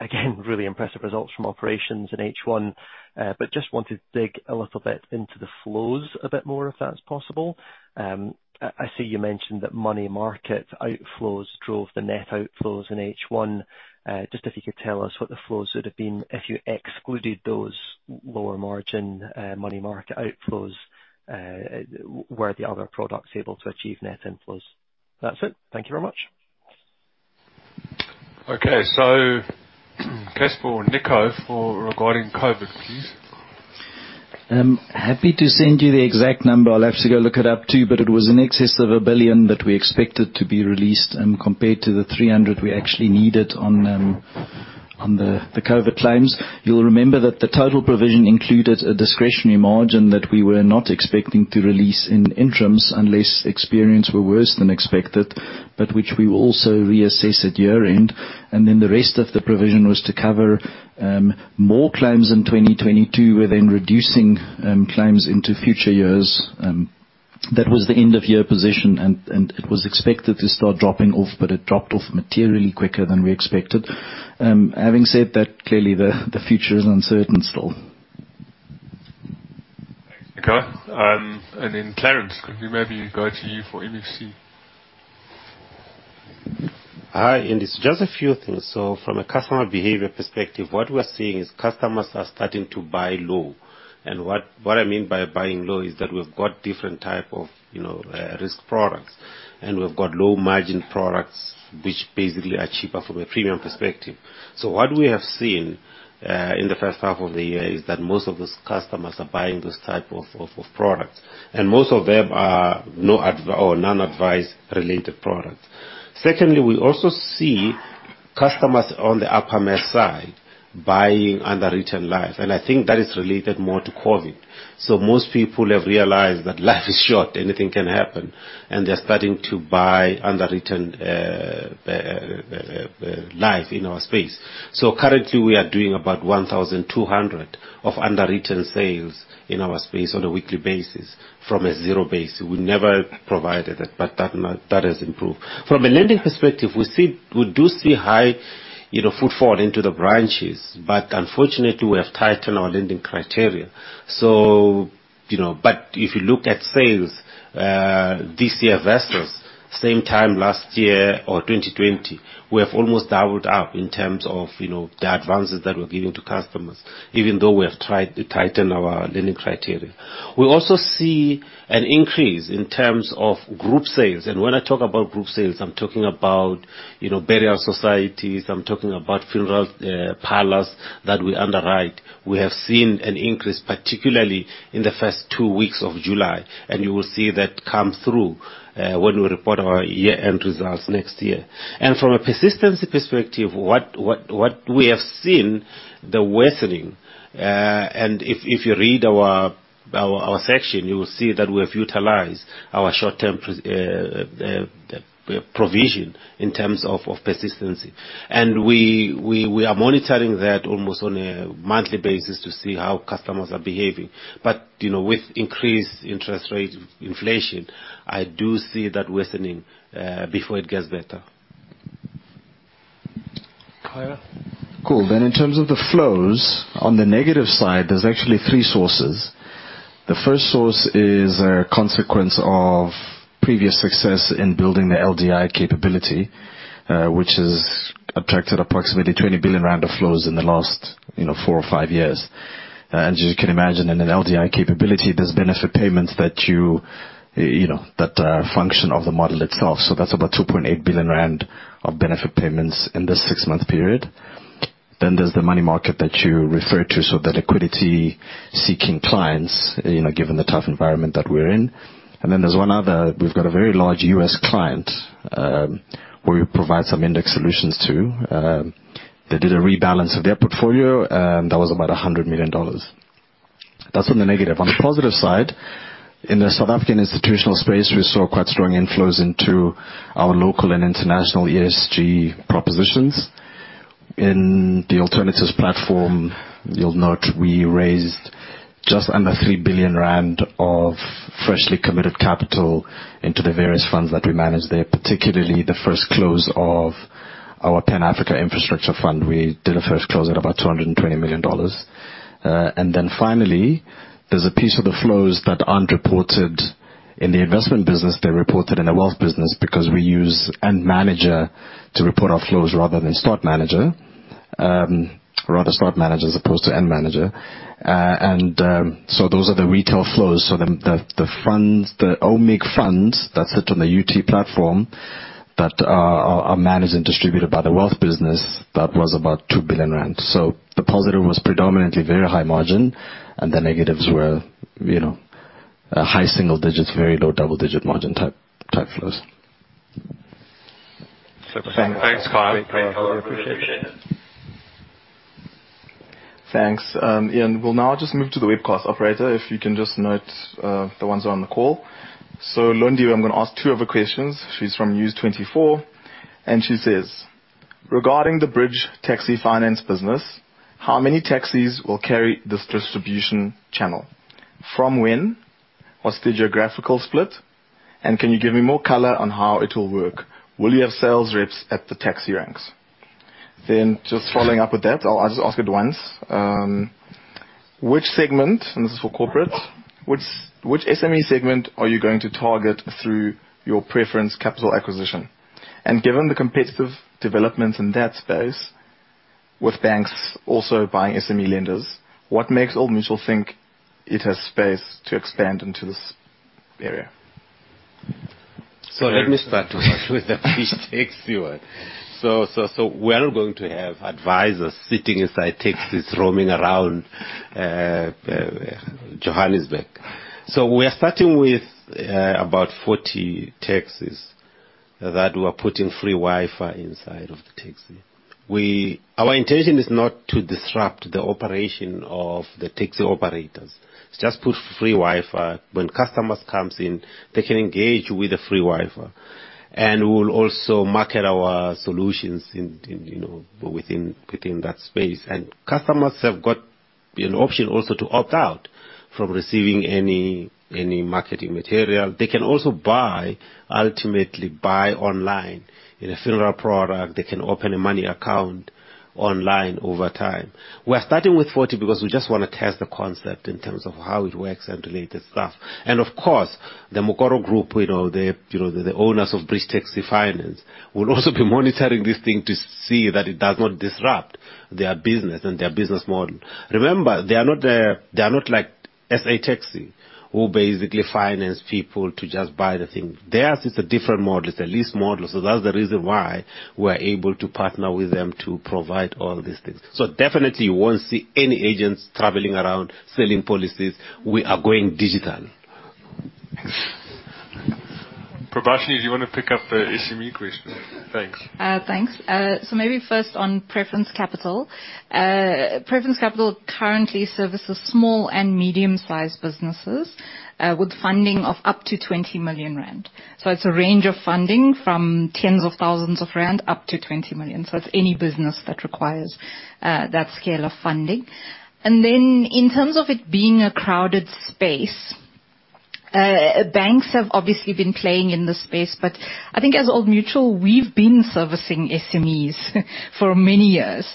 again, really impressive results from operations in H one, but just want to dig a little bit into the flows a bit more, if that's possible. I see you mentioned that money market outflows drove the net outflows in H one. Just if you could tell us what the flows would have been if you excluded those lower margin money market outflows. Were the other products able to achieve net inflows? That's it. Thank you very much. Okay. Casper or Nico, regarding COVID, please. I'm happy to send you the exact number. I'll have to go look it up too, but it was in excess of 1 billion that we expected to be released. Compared to the 300 we actually needed on the COVID claims. You'll remember that the total provision included a discretionary margin that we were not expecting to release in interims unless experience were worse than expected, but which we will also reassess at year-end. Then the rest of the provision was to cover more claims in 2022, we're then reducing claims into future years. That was the end of year position and it was expected to start dropping off, but it dropped off materially quicker than we expected. Having said that, clearly the future is uncertain still. Thanks, Nico. Clarence, could we maybe go to you for MFC? Hi, it's just a few things. From a customer behavior perspective, what we're seeing is customers are starting to buy low. What I mean by buying low is that we've got different type of, you know, risk products. We've got low-margin products which basically are cheaper from a premium perspective. What we have seen in the first half of the year is that most of those customers are buying those type of products, and most of them are non-advice-related products. Secondly, we also see customers on the upper mass side buying underwritten life, and I think that is related more to COVID. Most people have realized that life is short, anything can happen, and they're starting to buy underwritten life in our space. Currently we are doing about 1,200 of underwritten sales in our space on a weekly basis from a zero base. We never provided it, but that now, that has improved. From a lending perspective, we do see high, you know, footfall into the branches. Unfortunately, we have tightened our lending criteria. You know. If you look at sales, this year versus same time last year or 2020, we have almost doubled up in terms of, you know, the advances that we're giving to customers, even though we have tried to tighten our lending criteria. We also see an increase in terms of group sales. When I talk about group sales, I'm talking about, you know, burial societies, I'm talking about funeral parlors that we underwrite. We have seen an increase, particularly in the first two weeks of July, and you will see that come through when we report our year-end results next year. From a persistency perspective, we have seen the worsening, and if you read our section, you will see that we have utilized our short-term provision in terms of persistency. We are monitoring that almost on a monthly basis to see how customers are behaving. You know, with increased interest rates, inflation, I do see that worsening before it gets better. Colff? Cool. In terms of the flows, on the negative side, there's actually three sources. The first source is a consequence of previous success in building the LDI capability, which has attracted approximately 20 billion rand of flows in the last, you know, four or five years. As you can imagine, in an LDI capability, there's benefit payments that, you know, are a function of the model itself. That's about 2.8 billion rand of benefit payments in this six-month period. There's the money market that you referred to, so the liquidity-seeking clients, you know, given the tough environment that we're in. There's one other. We've got a very large U.S. client, who we provide some index solutions to. They did a rebalance of their portfolio, and that was about $100 million. That's on the negative. On the positive side, in the South African institutional space, we saw quite strong inflows into our local and international ESG propositions. In the alternatives platform, you'll note we raised just under 3 billion rand of freshly committed capital into the various funds that we manage there, particularly the first close of our Pan-Africa Infrastructure Fund. We did a first close at about $220 million. And then finally, there's a piece of the flows that aren't reported in the investment business. They're reported in the wealth business because we use start manager as opposed to end manager to report our flows. So those are the retail flows. The funds, the OMIG funds that sit on the UT platform that are managed and distributed by the wealth business, that was about 2 billion rand. The positive was predominantly very high-margin, and the negatives were high single-digit, very low double-digit margin type flows. Super. Thanks, Colff. We appreciate it. Thanks. Iain, we'll now just move to the webcast operator, if you can just note the ones that are on the call. Londiwe, I'm gonna ask two of her questions. She's from News24, and she says, "Regarding the Bridge Taxi Finance business, how many taxis will carry this distribution channel? From when? What's the geographical split? And can you give me more color on how it will work? Will you have sales reps at the taxi ranks?" Just following up with that, I'll just ask it once. Which segment, and this is for Corporate, which SME segment are you going to target through your Preference Capital acquisition? And given the competitive developments in that space with banks also buying SME lenders, what makes Old Mutual think it has space to expand into this area? Let me start with the Bridge Taxi one. We are not going to have advisors sitting inside taxis roaming around Johannesburg. We are starting with about 40 taxis that we're putting free Wi-Fi inside of the taxi. Our intention is not to disrupt the operation of the taxi operators. It's just put free Wi-Fi. When customers comes in, they can engage with the free Wi-Fi. We'll also market our solutions in you know within that space. Customers have got an option also to opt out from receiving any marketing material. They can also ultimately buy online in a funeral product. They can open a money account online over time. We're starting with 40 because we just wanna test the concept in terms of how it works and related stuff. Of course, the Mokoro Holdings, you know, the owners of Bridge Taxi Finance, will also be monitoring this thing to see that it does not disrupt their business and their business model. Remember, they are not like SA Taxi, who basically finance people to just buy the thing. Theirs is a different model. It's a lease model. That's the reason why we're able to partner with them to provide all these things. Definitely you won't see any agents traveling around selling policies. We are going digital. Prabashini, do you wanna pick up the SME question? Thanks. Thanks. Maybe first on Preference Capital. Preference Capital currently services small and medium-sized businesses with funding of up to 20 million rand. It's a range of funding from tens of thousands of ZAR up to 20 million. It's any business that requires that scale of funding. In terms of it being a crowded space, banks have obviously been playing in this space, but I think as Old Mutual, we've been servicing SMEs for many years.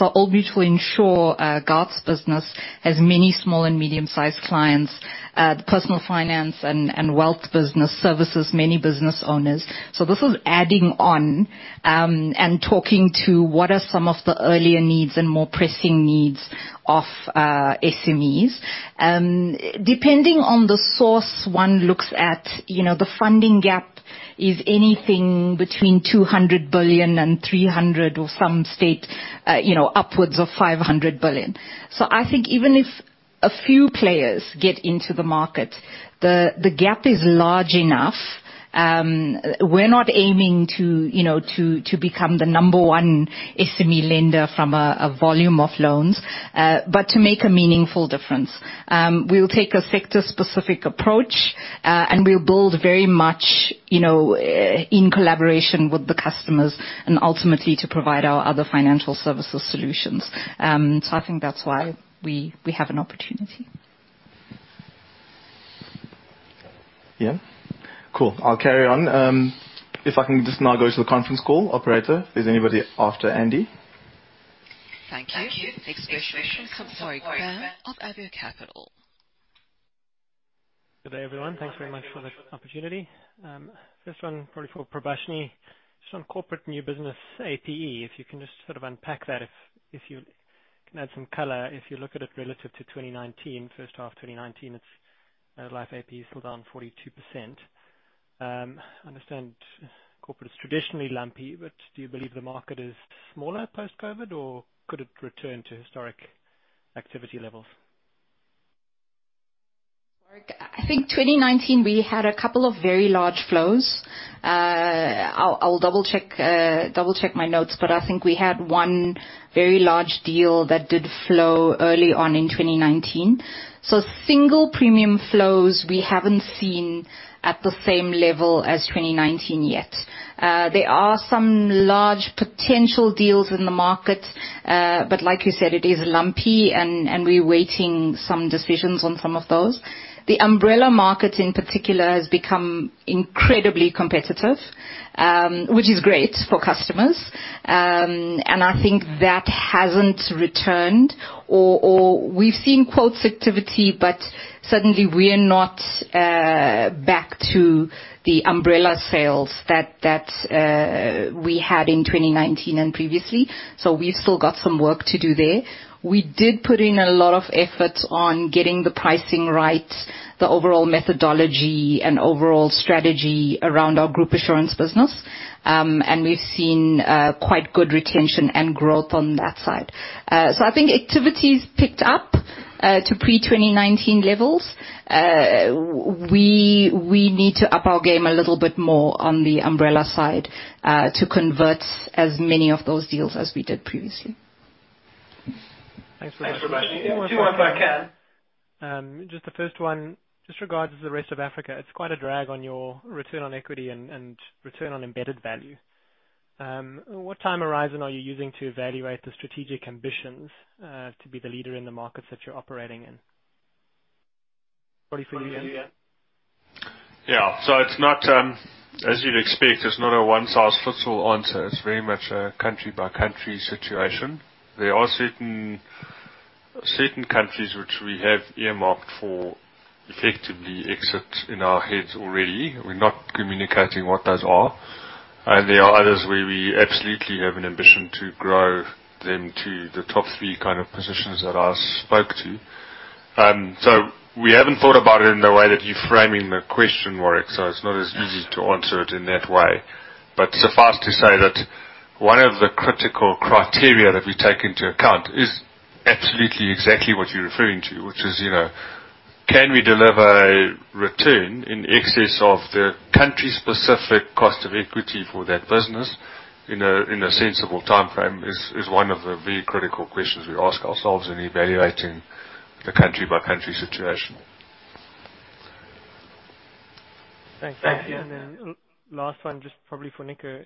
Old Mutual Insure's Guardrisk business has many small and medium-sized clients. The personal finance and wealth business services many business owners. This is adding on and talking to what are some of the earlier needs and more pressing needs of SMEs. Depending on the source one looks at, you know, the funding gap is anything between 200 billion and 300 billion or some say, you know, upwards of 500 billion. I think even if a few players get into the market, the gap is large enough. We're not aiming to, you know, become the number one SME lender from a volume of loans, but to make a meaningful difference. We'll take a sector-specific approach, and we'll build very much, you know, in collaboration with the customers and ultimately to provide our other financial services solutions. I think that's why we have an opportunity. Yeah. Cool. I'll carry on. If I can just now go to the Conference Call. Operator, is anybody after Andrew Sinclair? Thank you. Next question from Warwick Bam of Avior Capital. Good day, everyone. Thanks very much for the opportunity. First one probably for Prabashini. Just on corporate new business APE, if you can just sort of unpack that. If you can add some color, if you look at it relative to 2019, first half 2019, it's life APE is still down 42%. I understand corporate is traditionally lumpy, but do you believe the market is smaller post-COVID, or could it return to historic activity levels. I think 2019 we had a couple of very large flows. I'll double-check my notes, but I think we had one very large deal that did flow early on in 2019. Single premium flows we haven't seen at the same level as 2019 yet. There are some large potential deals in the market, but like you said, it is lumpy and we're waiting some decisions on some of those. The umbrella market, in particular, has become incredibly competitive, which is great for customers. I think that hasn't returned or we've seen quotes activity, but suddenly we're not back to the umbrella sales that we had in 2019 and previously. We've still got some work to do there. We did put in a lot of effort on getting the pricing right, the overall methodology and overall strategy around our group assurance business. We've seen quite good retention and growth on that side. I think activity's picked up to pre-2019 levels. We need to up our game a little bit more on the umbrella side to convert as many of those deals as we did previously. Thanks so much. Thanks so much. Two more if I can. Just the first one. Just regarding the rest of Africa, it's quite a drag on your return on equity and return on embedded value. What time horizon are you using to evaluate the strategic ambitions to be the leader in the markets that you're operating in? 2020. Yeah. It's not, as you'd expect, it's not a one-size-fits-all answer. It's very much a country-by-country situation. There are certain countries which we have earmarked for effective exit in our heads already. We're not communicating what those are. There are others where we absolutely have an ambition to grow them to the top-three kind of positions that I spoke to. We haven't thought about it in the way that you're framing the question, Warwick, so it's not as easy to answer it in that way. Suffice to say that one of the critical criteria that we take into account is absolutely exactly what you're referring to, which is, you know, can we deliver a return in excess of the country-specific cost of equity for that business in a sensible timeframe? Is one of the very critical questions we ask ourselves in evaluating the country-by-country situation. Thanks. Last one, just probably for Nico.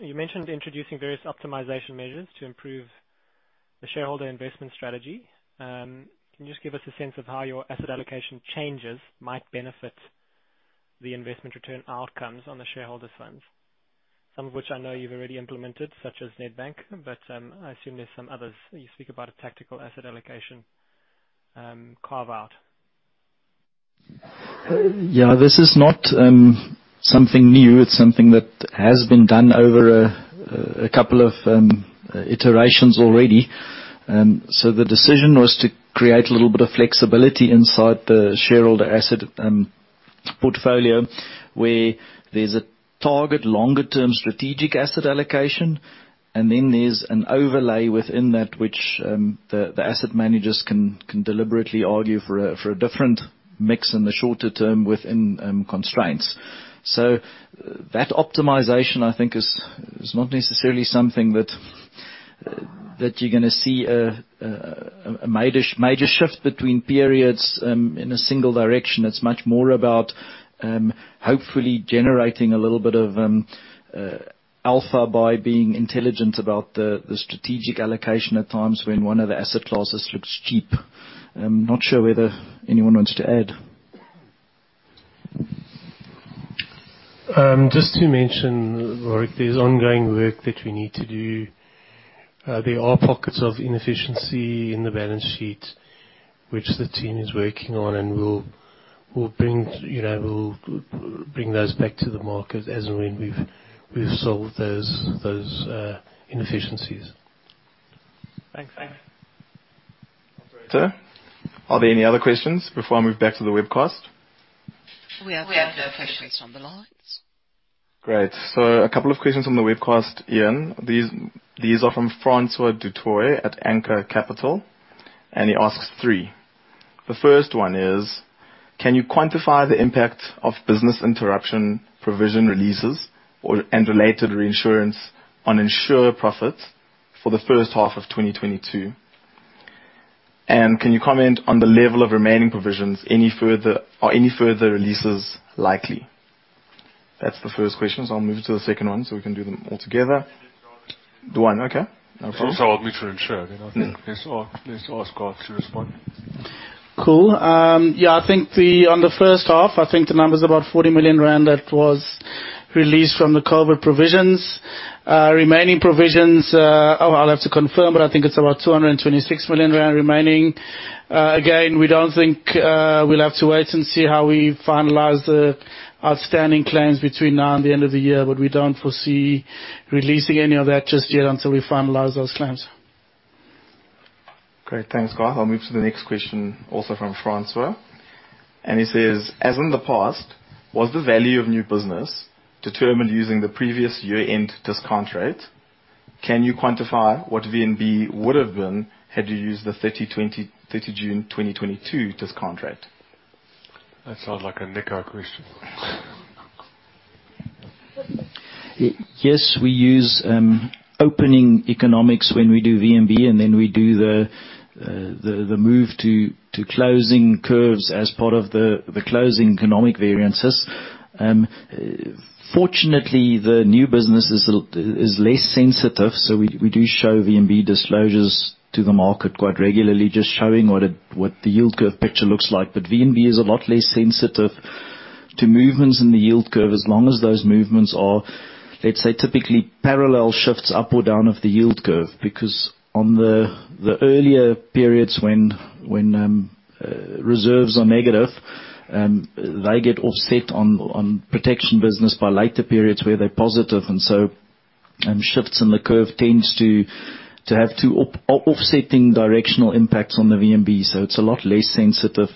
You mentioned introducing various optimization measures to improve the shareholder investment strategy. Can you just give us a sense of how your asset allocation changes might benefit the investment return outcomes on the shareholder funds? Some of which I know you've already implemented, such as Nedbank, but I assume there's some others. You speak about a tactical asset allocation carve-out. Yeah. This is not something new. It's something that has been done over a couple of iterations already. The decision was to create a little bit of flexibility inside the shareholder asset portfolio, where there's a target longer-term strategic asset allocation, and then there's an overlay within that which the asset managers can deliberately argue for a different mix in the shorter-term within constraints. That optimization, I think, is not necessarily something that you're gonna see a major shift between periods in a single direction. It's much more about hopefully generating a little bit of alpha by being intelligent about the strategic allocation at times when one of the asset classes looks cheap. I'm not sure whether anyone wants to add. Just to mention, Warwick, there's ongoing work that we need to do. There are pockets of inefficiency in the balance sheet, which the team is working on and we'll bring, you know, those back to the market as and when we've solved those inefficiencies. Thanks. Are there any other questions before I move back to the webcast? We have no questions on the line. Great. A couple of questions on the webcast, Iain. These are from Francois du Toit at Anchor Capital, and he asks three. The first one is: Can you quantify the impact of business interruption provision releases or and related reinsurance on insurer profits for the first half of 2022? And can you comment on the level of remaining provisions? Are any further releases likely? That's the first question, I'll move to the second one, so we can do them all together. One. One. Okay. It's a mutual insurer, you know. Yeah. Let's ask Guy to respond. Cool. Yeah, I think on the first half, I think the number is about 40 million rand that was released from the COVID-19 provisions. Remaining provisions, I'll have to confirm, but I think it's about 226 million rand remaining. Again, we don't think we'll have to wait and see how we finalize the outstanding claims between now and the end of the year, but we don't foresee releasing any of that just yet until we finalize those claims. Great. Thanks, Guy. I'll move to the next question, also from Francois. He says: As in the past, was the value of new business determined using the previous year-end discount rate? Can you quantify what VNB would have been had you used the 30 June 2022 discount rate? That sounds like a Nico question. Yes, we use opening economics when we do VNB, and then we do the move to closing curves as part of the closing economic varIainces. Fortunately, the new business is less sensitive, so we do show VNB disclosures to the market quite regularly, just showing what the yield curve picture looks like. But VNB is a lot less sensitive to movements in the yield curve as long as those movements are, let's say, typically parallel shifts up or down of the yield curve. Because on the earlier periods when reserves are negative, they get offset on protection business by later periods where they're positive. Shifts in the curve tends to have two offsetting directional impacts on the VNB, so it's a lot less sensitive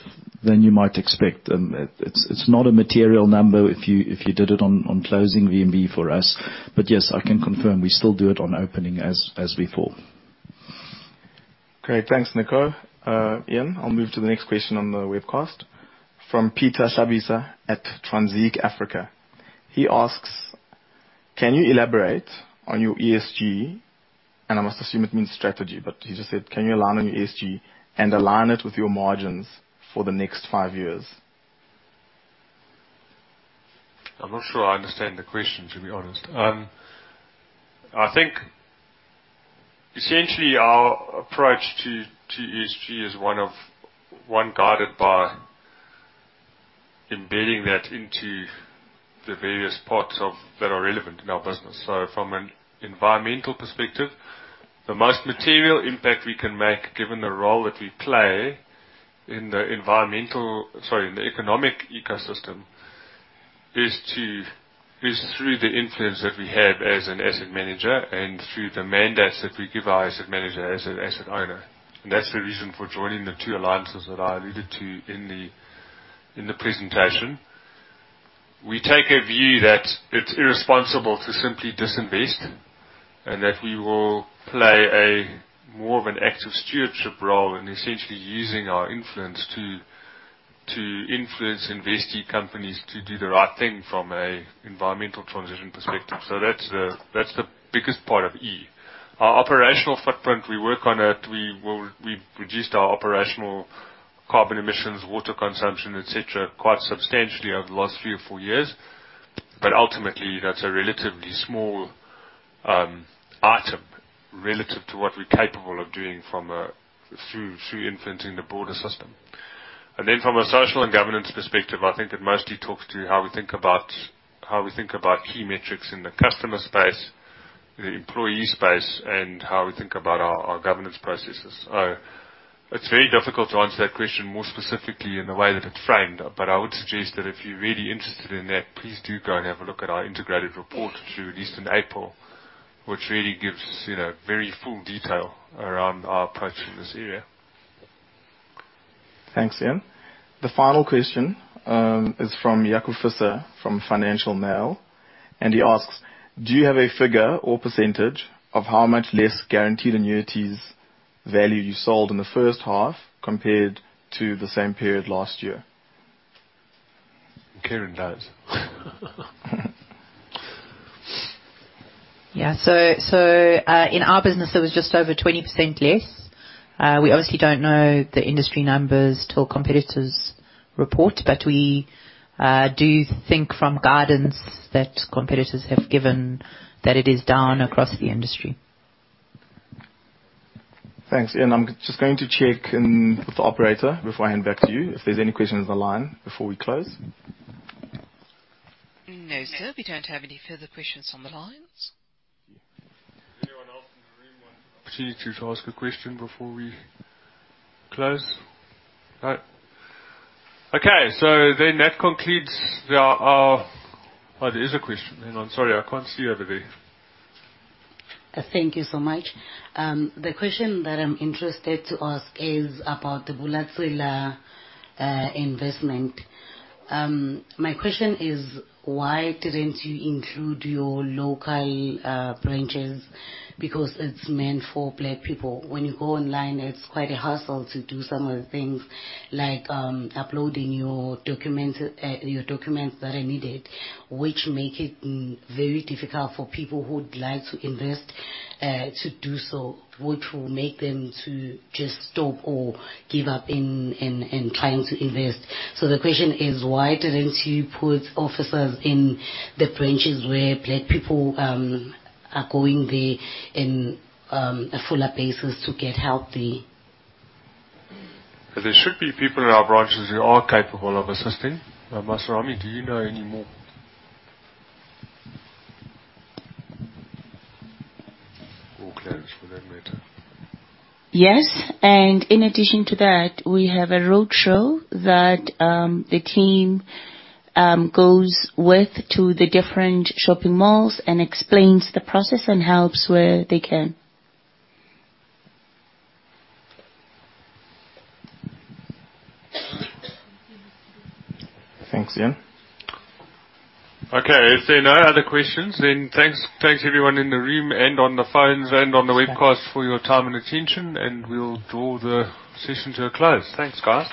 than you might expect. It's not a material number if you did it on closing VNB for us. Yes, I can confirm we still do it on opening as before. Great. Thanks, Nico. Iain, I'll move to the next question on the webcast from Peter Sobisa at Transik Africa. He asks, "Can you elaborate on your ESG?" I must assume it means strategy, but he just said, "Can you elaborate on your ESG and align it with your margins for the next five years? I'm not sure I understand the question, to be honest. I think essentially our approach to ESG is one guided by embedding that into the various parts of that are relevant in our business. From an environmental perspective, the most material impact we can make, given the role that we play in the economic ecosystem, is through the influence that we have as an asset manager and through the mandates that we give our asset manager as an asset owner. That's the reason for joining the two allIainces that I alluded to in the presentation. We take a view that it's irresponsible to simply disinvest and that we will play a more of an active stewardship role in essentially using our influence to influence investee companies to do the right thing from an environmental transition perspective. That's the biggest part of E. Our operational footprint, we work on it. We've reduced our operational carbon emissions, water consumption, et cetera, quite substantially over the last three or four years. Ultimately, that's a relatively small item relative to what we're capable of doing from a through influencing the broader system. Then from a social and governance perspective, I think it mostly talks to how we think about key metrics in the customer space, the employee space, and how we think about our governance processes. It's very difficult to answer that question more specifically in the way that it's framed. I would suggest that if you're really interested in that, please do go and have a look at our integrated report issued in April, which really gives, you know, very full detail around our approach in this area. Thanks, Iain. The final question is from Jacob Fisser from Financial Mail, and he asks, "Do you have a figure or percentage of how much less guaranteed annuities value you sold in the first half compared to the same period last-year? Kerrin does. In our business, it was just over 20% less. We obviously don't know the industry numbers till competitors report, but we do think from guidance that competitors have given that it is down across the industry. Thanks. Iain, I'm just going to check in with the operator before I hand back to you if there's any questions on the line before we close. No, sir, we don't have any further questions on the lines. Anyone else in the room want an opportunity to ask a question before we close? No. Okay, so then that concludes the. Oh, there is a question. Hang on. Sorry, I can't see over there. Thank you so much. The question that I'm interested to ask is about the Bulebelihle investment. My question is, why didn't you include your local branches? Because it's meant for Black people. When you go online, it's quite a hassle to do some of the things like uploading your documents that are needed, which make it very difficult for people who would like to invest to do so, which will make them to just stop or give up in trying to invest. The question is, why didn't you put officers in the branches where Black people are going there in a fuller basis to get help there? There should be people in our branches who are capable of assisting. Maserame, do you know any more? Or Clarence, for that matter. Yes. In addition to that, we have a roadshow that the team goes with to the different shopping malls and explains the process and helps where they can. Thanks, Iain. Okay. If there are no other questions, then thanks everyone in the room and on the phones and on the webcast for your time and attention, and we'll draw the session to a close. Thanks, guys.